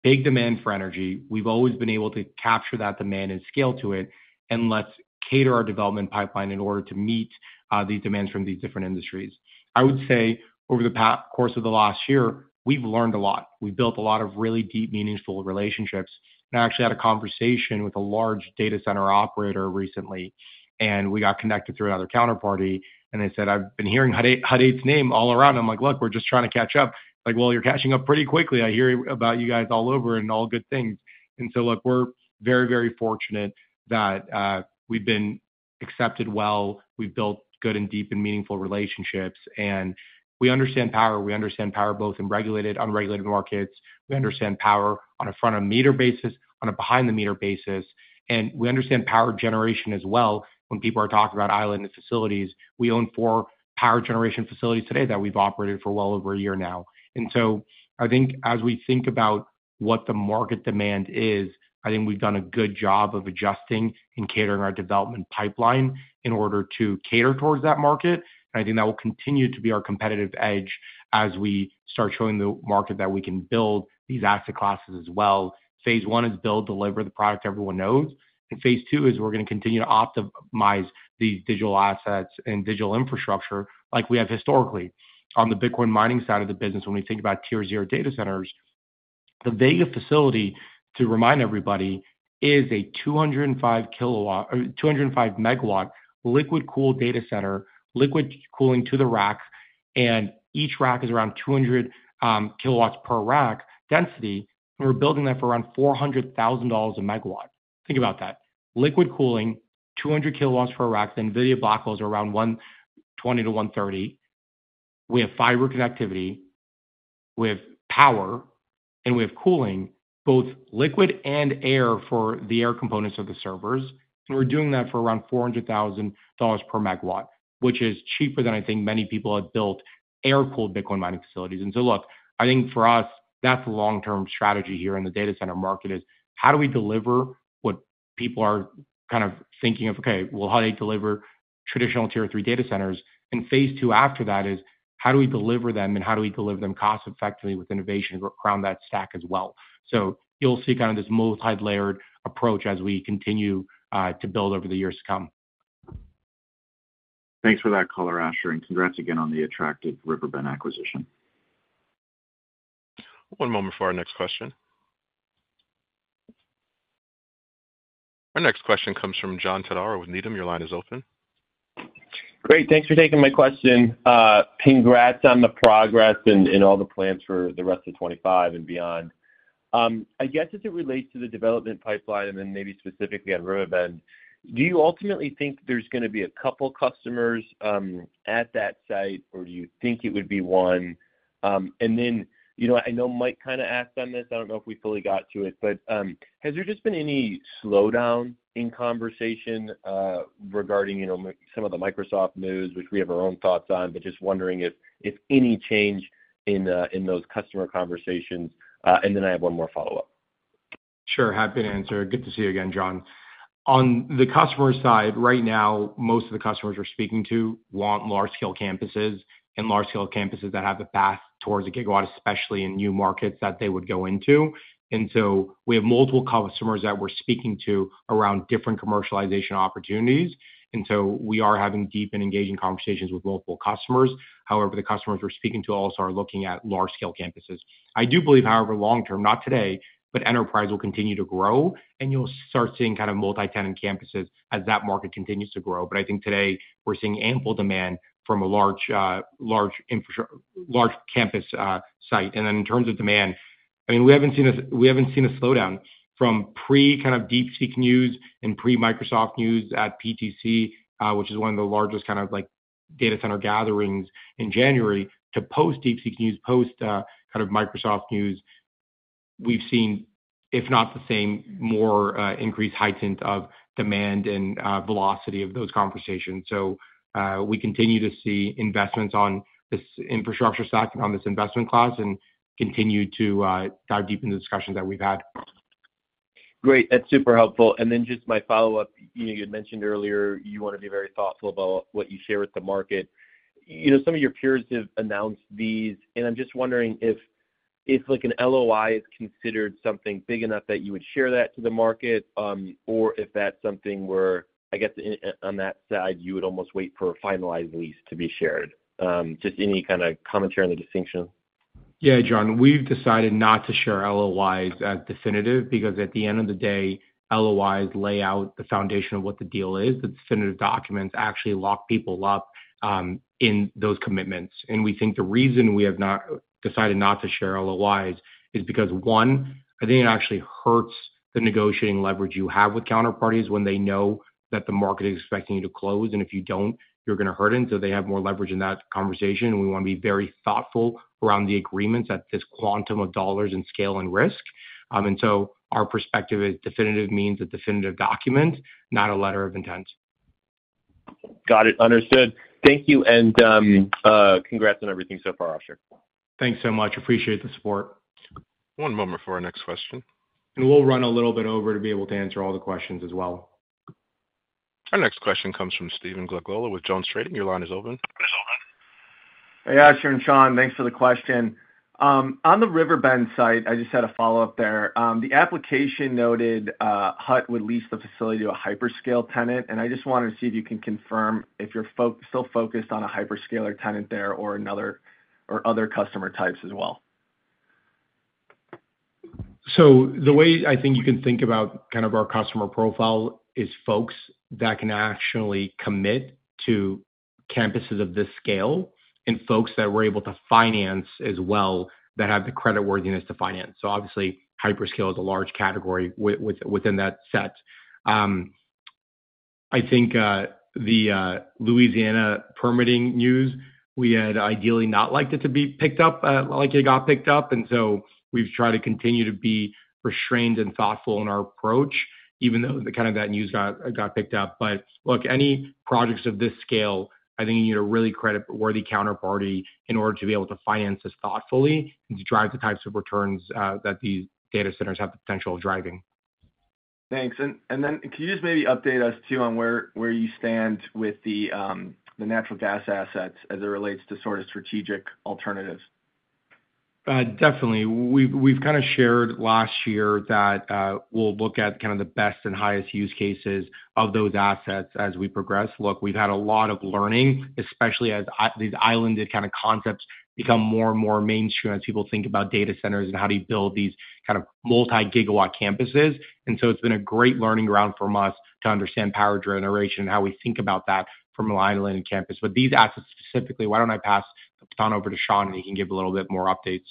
big demand for energy. We've always been able to capture that demand and scale to it, and let's cater our development pipeline in order to meet these demands from these different industries. I would say over the course of the last year, we've learned a lot. We've built a lot of really deep, meaningful relationships, and I actually had a conversation with a large data center operator recently, and we got connected through another counterparty, and they said, "I've been hearing Hut 8's name all around." I'm like, "Look, we're just trying to catch up." Like, "Well, you're catching up pretty quickly. I hear about you guys all over and all good things." And so, look, we're very, very fortunate that we've been accepted well. We've built good and deep and meaningful relationships, and we understand power. We understand power both in regulated, unregulated markets. We understand power on a front-of-the-meter basis, on a behind-the-meter basis, and we understand Power Generation as well. When people are talking about island facilities, we own four Power Generation facilities today that we've operated for well over a year now. And so I think as we think about what the market demand is, I think we've done a good job of adjusting and catering our development pipeline in order to cater towards that market. And I think that will continue to be our competitive edge as we start showing the market that we can build these asset classes as well. Phase I is build, deliver the product everyone knows. Phase II is we're going to continue to optimize these digital assets and digital infrastructure like we have historically. On the Bitcoin mining side of the business, when we think about Tier 0 data centers, the Vega facility, to remind everybody, is a 205 MW liquid-cooled data center, liquid cooling to the rack, and each rack is around 200 kW per rack density. We're building that for around $400,000 a megawatt. Think about that. Liquid cooling, 200 kW per rack. The NVIDIA Blackwells are around 120 to 130. We have fiber connectivity. We have power, and we have cooling, both liquid and air for the air components of the servers. We're doing that for around $400,000 per megawatt, which is cheaper than I think many people have built air-cooled Bitcoin mining facilities. And so, look, I think for us, that's the long-term strategy here in the data center market is how do we deliver what people are kind of thinking of, okay, well, how do they deliver traditional Tier 3 data centers? And phase II after that is how do we deliver them and how do we deliver them cost-effectively with innovation around that stack as well? So you'll see kind of this multi-layered approach as we continue to build over the years to come. Thanks for that color, Asher. And congrats again on the attractive River Bend acquisition. One moment for our next question. Our next question comes from John Todaro with Needham. Your line is open. Great. Thanks for taking my question. Congrats on the progress and all the plans for the rest of 2025 and beyond. I guess as it relates to the development pipeline and then maybe specifically on River Bend, do you ultimately think there's going to be a couple of customers at that site, or do you think it would be one? And then I know Mike kind of asked on this. I don't know if we fully got to it, but has there just been any slowdown in conversation regarding some of the Microsoft news, which we have our own thoughts on, but just wondering if any change in those customer conversations? And then I have one more follow-up. Sure. Happy to answer. Good to see you again, John. On the customer side, right now, most of the customers we're speaking to want large-scale campuses and large-scale campuses that have a path towards a gigawatt, especially in new markets that they would go into. And so we have multiple customers that we're speaking to around different commercialization opportunities. And so we are having deep and engaging conversations with multiple customers. However, the customers we're speaking to also are looking at large-scale campuses. I do believe, however, long-term, not today, but enterprise will continue to grow, and you'll start seeing kind of multi-tenant campuses as that market continues to grow. But I think today we're seeing ample demand from a large campus site. And then in terms of demand, I mean, we haven't seen a slowdown from pre-kind of DeepSeek news and pre-Microsoft news at PTC, which is one of the largest kind of data center gatherings in January, to post-DeepSeek news, post-kind of Microsoft news. We've seen, if not the same, more increased heightened of demand and velocity of those conversations. So we continue to see investments on this infrastructure stack and on this investment class and continue to dive deep into the discussions that we've had. Great. That's super helpful. And then just my follow-up, you had mentioned earlier you want to be very thoughtful about what you share with the market. Some of your peers have announced these, and I'm just wondering if an LOI is considered something big enough that you would share that to the market, or if that's something where, I guess, on that side, you would almost wait for a finalized lease to be shared. Just any kind of commentary on the distinction? Yeah, John, we've decided not to share LOIs as definitive because at the end of the day, LOIs lay out the foundation of what the deal is. The definitive documents actually lock people up in those commitments. We think the reason we have not decided not to share LOIs is because, one, I think it actually hurts the negotiating leverage you have with counterparties when they know that the market is expecting you to close, and if you don't, you're going to hurt it. And so they have more leverage in that conversation, and we want to be very thoughtful around the agreements at this quantum of dollars and scale and risk. And so our perspective is definitive means a definitive document, not a letter of intent. Got it. Understood. Thank you, and congrats on everything so far, Asher. Thanks so much. Appreciate the support. One moment for our next question. And we'll run a little bit over to be able to answer all the questions as well. Our next question comes from Stephen Glagola with JonesTrading. Your line is open. Hey, Asher and Sean, thanks for the question. On the River Bend site, I just had a follow-up there. The application noted Hut would lease the facility to a hyperscale tenant, and I just wanted to see if you can confirm if you're still focused on a hyperscaler tenant there or other customer types as well. So the way I think you can think about kind of our customer profile is folks that can actually commit to campuses of this scale and folks that were able to finance as well that have the creditworthiness to finance, so obviously, hyperscale is a large category within that set. I think the Louisiana permitting news we had ideally not liked it to be picked up like it got picked up, and so we've tried to continue to be restrained and thoughtful in our approach, even though kind of that news got picked up. But look, any projects of this scale, I think you need a really creditworthy counterparty in order to be able to finance this thoughtfully and to drive the types of returns that these data centers have the potential of driving. Thanks. And then can you just maybe update us too on where you stand with the natural gas assets as it relates to sort of strategic alternatives? Definitely. We've kind of shared last year that we'll look at kind of the best and highest use cases of those assets as we progress. Look, we've had a lot of learning, especially as these islanded kind of concepts become more and more mainstream as people think about data centers and how do you build these kind of multi-gigawatt campuses. And so it's been a great learning ground for us to understand Power Generation and how we think about that from an islanded campus. But these assets specifically, why don't I pass the baton over to Sean and he can give a little bit more updates?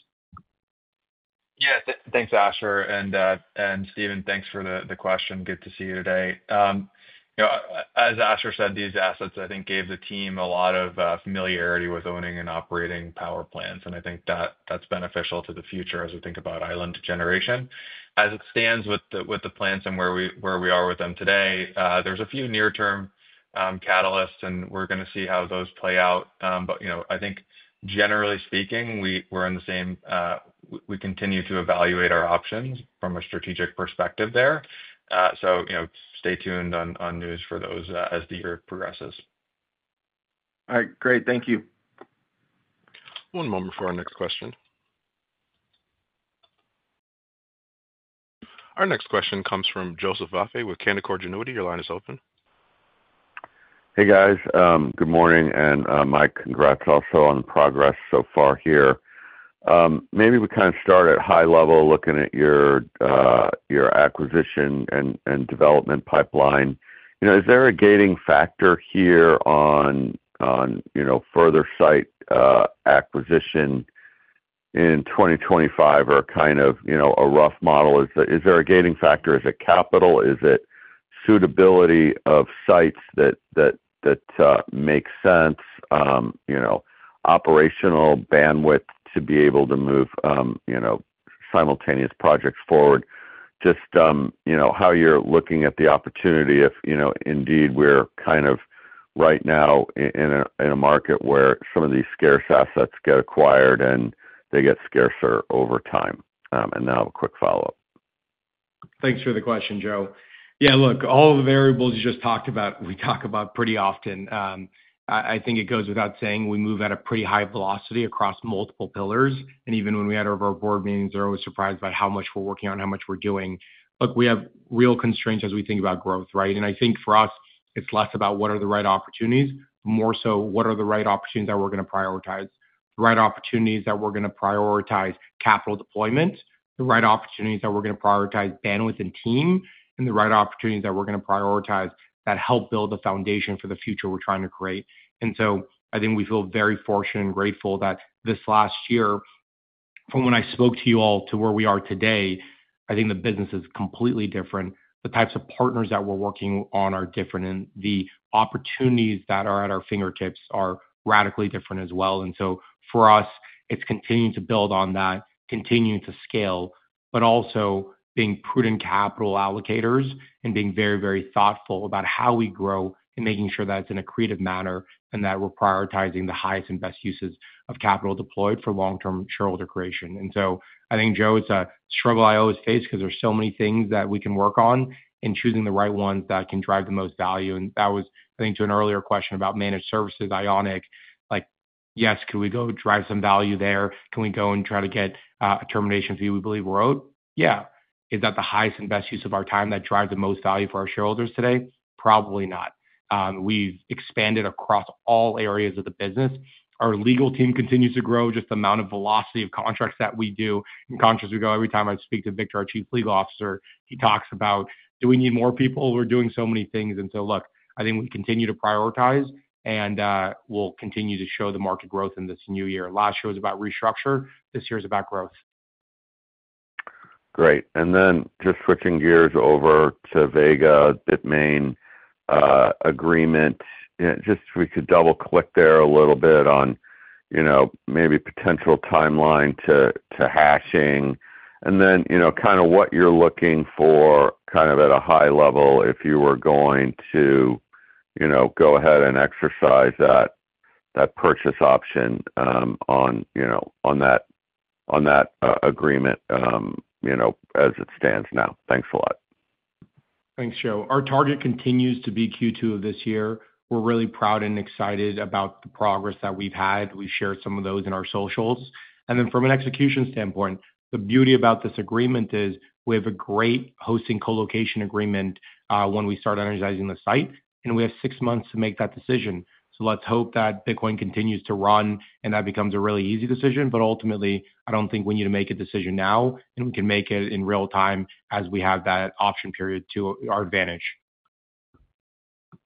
Yeah. Thanks, Asher. And Stephen, thanks for the question. Good to see you today. As Asher said, these assets, I think, gave the team a lot of familiarity with owning and operating power plants. And I think that that's beneficial to the future as we think about island generation. As it stands with the plants and where we are with them today, there's a few near-term catalysts, and we're going to see how those play out. But I think, generally speaking, we're in the same vein we continue to evaluate our options from a strategic perspective there. So stay tuned on news for those as the year progresses. All right. Great. Thank you. One moment for our next question. Our next question comes from Joseph Vafi with Canaccord Genuity. Your line is open. Hey, guys. Good morning. And Mike, congrats also on the progress so far here. Maybe we kind of start at high level looking at your acquisition and development pipeline. Is there a gating factor here on further site acquisition in 2025 or kind of a rough model? Is there a gating factor? Is it capital? Is it suitability of sites that makes sense, operational bandwidth to be able to move simultaneous projects forward? Just how you're looking at the opportunity if indeed we're kind of right now in a market where some of these scarce assets get acquired and they get scarcer over time. And now a quick follow-up. Thanks for the question, Joe. Yeah, look, all of the variables you just talked about, we talk about pretty often. I think it goes without saying we move at a pretty high velocity across multiple pillars. And even when we had our board meetings, they're always surprised by how much we're working on, how much we're doing. Look, we have real constraints as we think about growth, right? And I think for us, it's less about what are the right opportunities, more so what are the right opportunities that we're going to prioritize. The right opportunities that we're going to prioritize capital deployment, the right opportunities that we're going to prioritize bandwidth and team, and the right opportunities that we're going to prioritize that help build the foundation for the future we're trying to create. I think we feel very fortunate and grateful that this last year, from when I spoke to you all to where we are today, the business is completely different. The types of partners that we're working on are different, and the opportunities that are at our fingertips are radically different as well. For us, it's continuing to build on that, continuing to scale, but also being prudent capital allocators and being very, very thoughtful about how we grow and making sure that it's in a creative manner and that we're prioritizing the highest and best uses of capital deployed for long-term shareholder creation. I think, Joe, it's a struggle I always face because there's so many things that we can work on and choosing the right ones that can drive the most value. That was, I think, to an earlier question about Managed Services, Ionic. Yes, can we go drive some value there? Can we go and try to get a termination fee we believe we're owed? Yeah. Is that the highest and best use of our time that drives the most value for our shareholders today? Probably not. We've expanded across all areas of the business. Our legal team continues to grow, just the amount of velocity of contracts that we do. In contrast, every time I speak to Victor, our Chief Legal Officer, he talks about, "Do we need more people? We're doing so many things." And so, look, I think we continue to prioritize, and we'll continue to show the market growth in this new year. Last year was about restructure. This year is about growth. Great. And then just switching gears over to Vega, BITMAIN agreement. Just, if we could double-click there a little bit on maybe potential timeline to hashing. And then kind of what you're looking for kind of at a high level if you were going to go ahead and exercise that purchase option on that agreement as it stands now. Thanks a lot. Thanks, Joe. Our target continues to be Q2 of this year. We're really proud and excited about the progress that we've had. We've shared some of those in our socials. And then from an execution standpoint, the beauty about this agreement is we have a great hosting colocation agreement when we start energizing the site, and we have six months to make that decision. So let's hope that Bitcoin continues to run and that becomes a really easy decision. But ultimately, I don't think we need to make a decision now, and we can make it in real time as we have that option period to our advantage.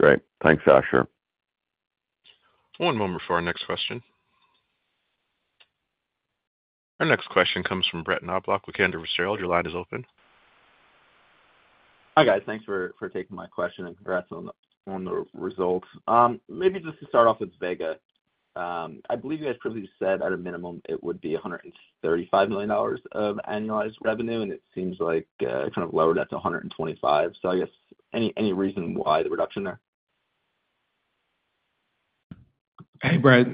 Great. Thanks, Asher. One moment for our next question. Our next question comes from Brett Knoblauch with Cantor Fitzgerald. Your line is open. Hi, guys. Thanks for taking my question and congrats on the results. Maybe just to start off with Vega. I believe you guys previously said at a minimum it would be $135 million of annualized revenue, and it seems like kind of lowered that to $125. So I guess any reason why the reduction there? Hey, Brett,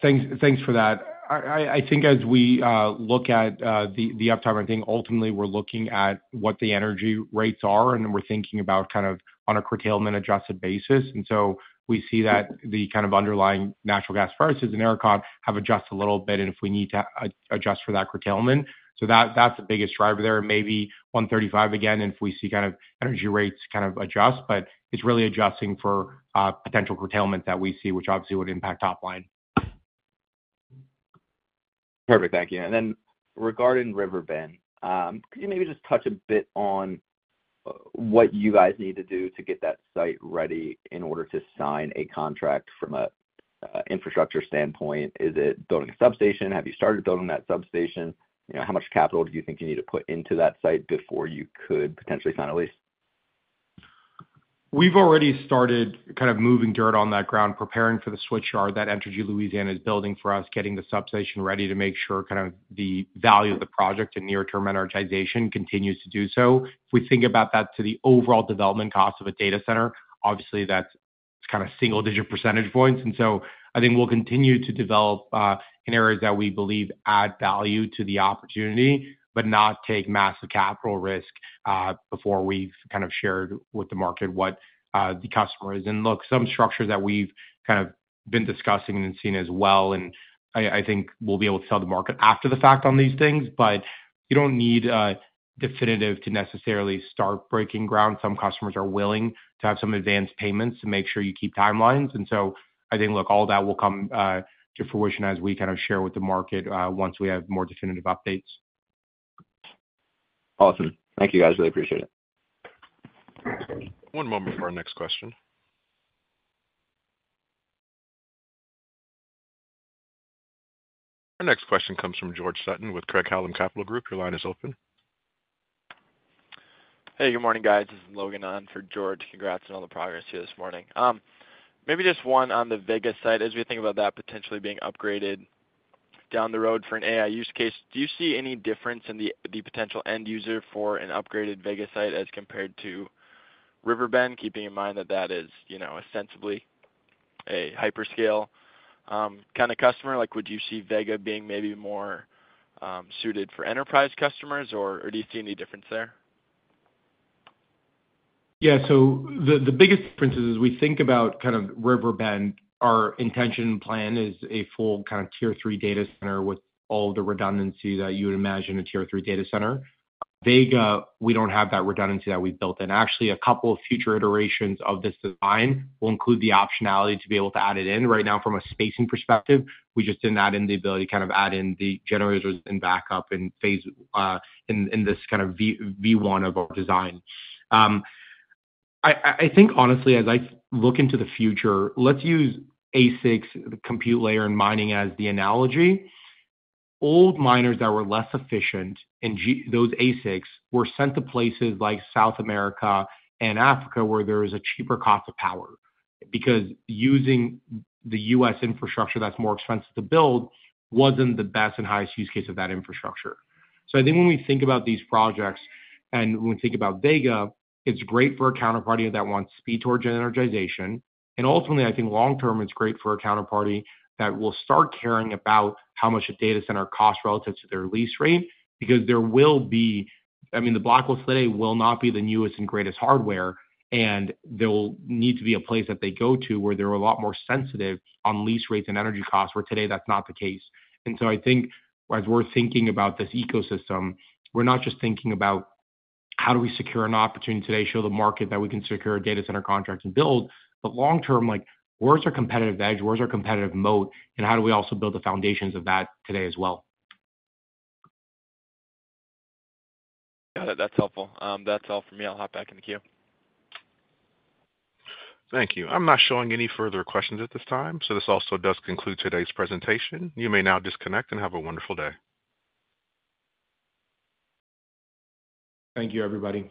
thanks for that. I think as we look at the uptime, I think ultimately we're looking at what the energy rates are, and we're thinking about kind of on a curtailment-adjusted basis. And so we see that the kind of underlying natural gas prices and ERCOT have adjusted a little bit, and if we need to adjust for that curtailment. So that's the biggest driver there. Maybe $135 again if we see kind of energy rates kind of adjust, but it's really adjusting for potential curtailment that we see, which obviously would impact top line. Perfect. Thank you. And then regarding River Bend, could you maybe just touch a bit on what you guys need to do to get that site ready in order to sign a contract from an infrastructure standpoint? Is it building a substation? Have you started building that substation? How much capital do you think you need to put into that site before you could potentially sign a lease? We've already started kind of moving dirt on that ground, preparing for the switchyard that Entergy Louisiana is building for us, getting the substation ready to make sure kind of the value of the project and near-term energization continues to do so. If we think about that to the overall development cost of a data center, obviously that's kind of single-digit percentage points. And so I think we'll continue to develop in areas that we believe add value to the opportunity, but not take massive capital risk before we've kind of shared with the market what the customer is. And look, some structures that we've kind of been discussing and seen as well, and I think we'll be able to tell the market after the fact on these things, but you don't need definitive to necessarily start breaking ground. Some customers are willing to have some advanced payments to make sure you keep timelines. And so I think, look, all that will come to fruition as we kind of share with the market once we have more definitive updates. Awesome. Thank you, guys. Really appreciate it. One moment for our next question. Our next question comes from George Sutton with Craig-Hallum Capital Group. Your line is open. Hey, good morning, guys. This is Logan on for George. Congrats on all the progress here this morning. Maybe just one on the Vega site. As we think about that potentially being upgraded down the road for an AI use case, do you see any difference in the potential end user for an upgraded Vega site as compared to River Bend, keeping in mind that that is ostensibly a hyperscale kind of customer? Would you see Vega being maybe more suited for enterprise customers, or do you see any difference there? Yeah. So the biggest difference is as we think about kind of River Bend, our intention and plan is a full kind of Tier 3 data center with all the redundancy that you would imagine a Tier 3 data center. Vega, we don't have that redundancy that we've built in. Actually, a couple of future iterations of this design will include the optionality to be able to add it in. Right now, from a spacing perspective, we just didn't add in the ability to kind of add in the generators and backup and phase in this kind of V1 of our design. I think, honestly, as I look into the future, let's use ASICs, the compute layer and mining as the analogy. Old miners that were less efficient in those ASICs were sent to places like South America and Africa where there is a cheaper cost of power because using the U.S. infrastructure that's more expensive to build wasn't the best and highest use case of that infrastructure. So I think when we think about these projects and when we think about Vega, it's great for a counterparty that wants speed towards energization. And ultimately, I think long-term, it's great for a counterparty that will start caring about how much a data center costs relative to their lease rate because there will be, I mean, the Blackwells today will not be the newest and greatest hardware, and there will need to be a place that they go to where they're a lot more sensitive on lease rates and energy costs, where today that's not the case. And so I think as we're thinking about this ecosystem, we're not just thinking about how do we secure an opportunity today, show the market that we can secure a data center contract and build, but long-term, where's our competitive edge? Where's our competitive moat? And how do we also build the foundations of that today as well? Got it. That's helpful. That's all for me. I'll hop back in the queue. Thank you. I'm not showing any further questions at this time. So this also does conclude today's presentation. You may now disconnect and have a wonderful day. Thank you, everybody.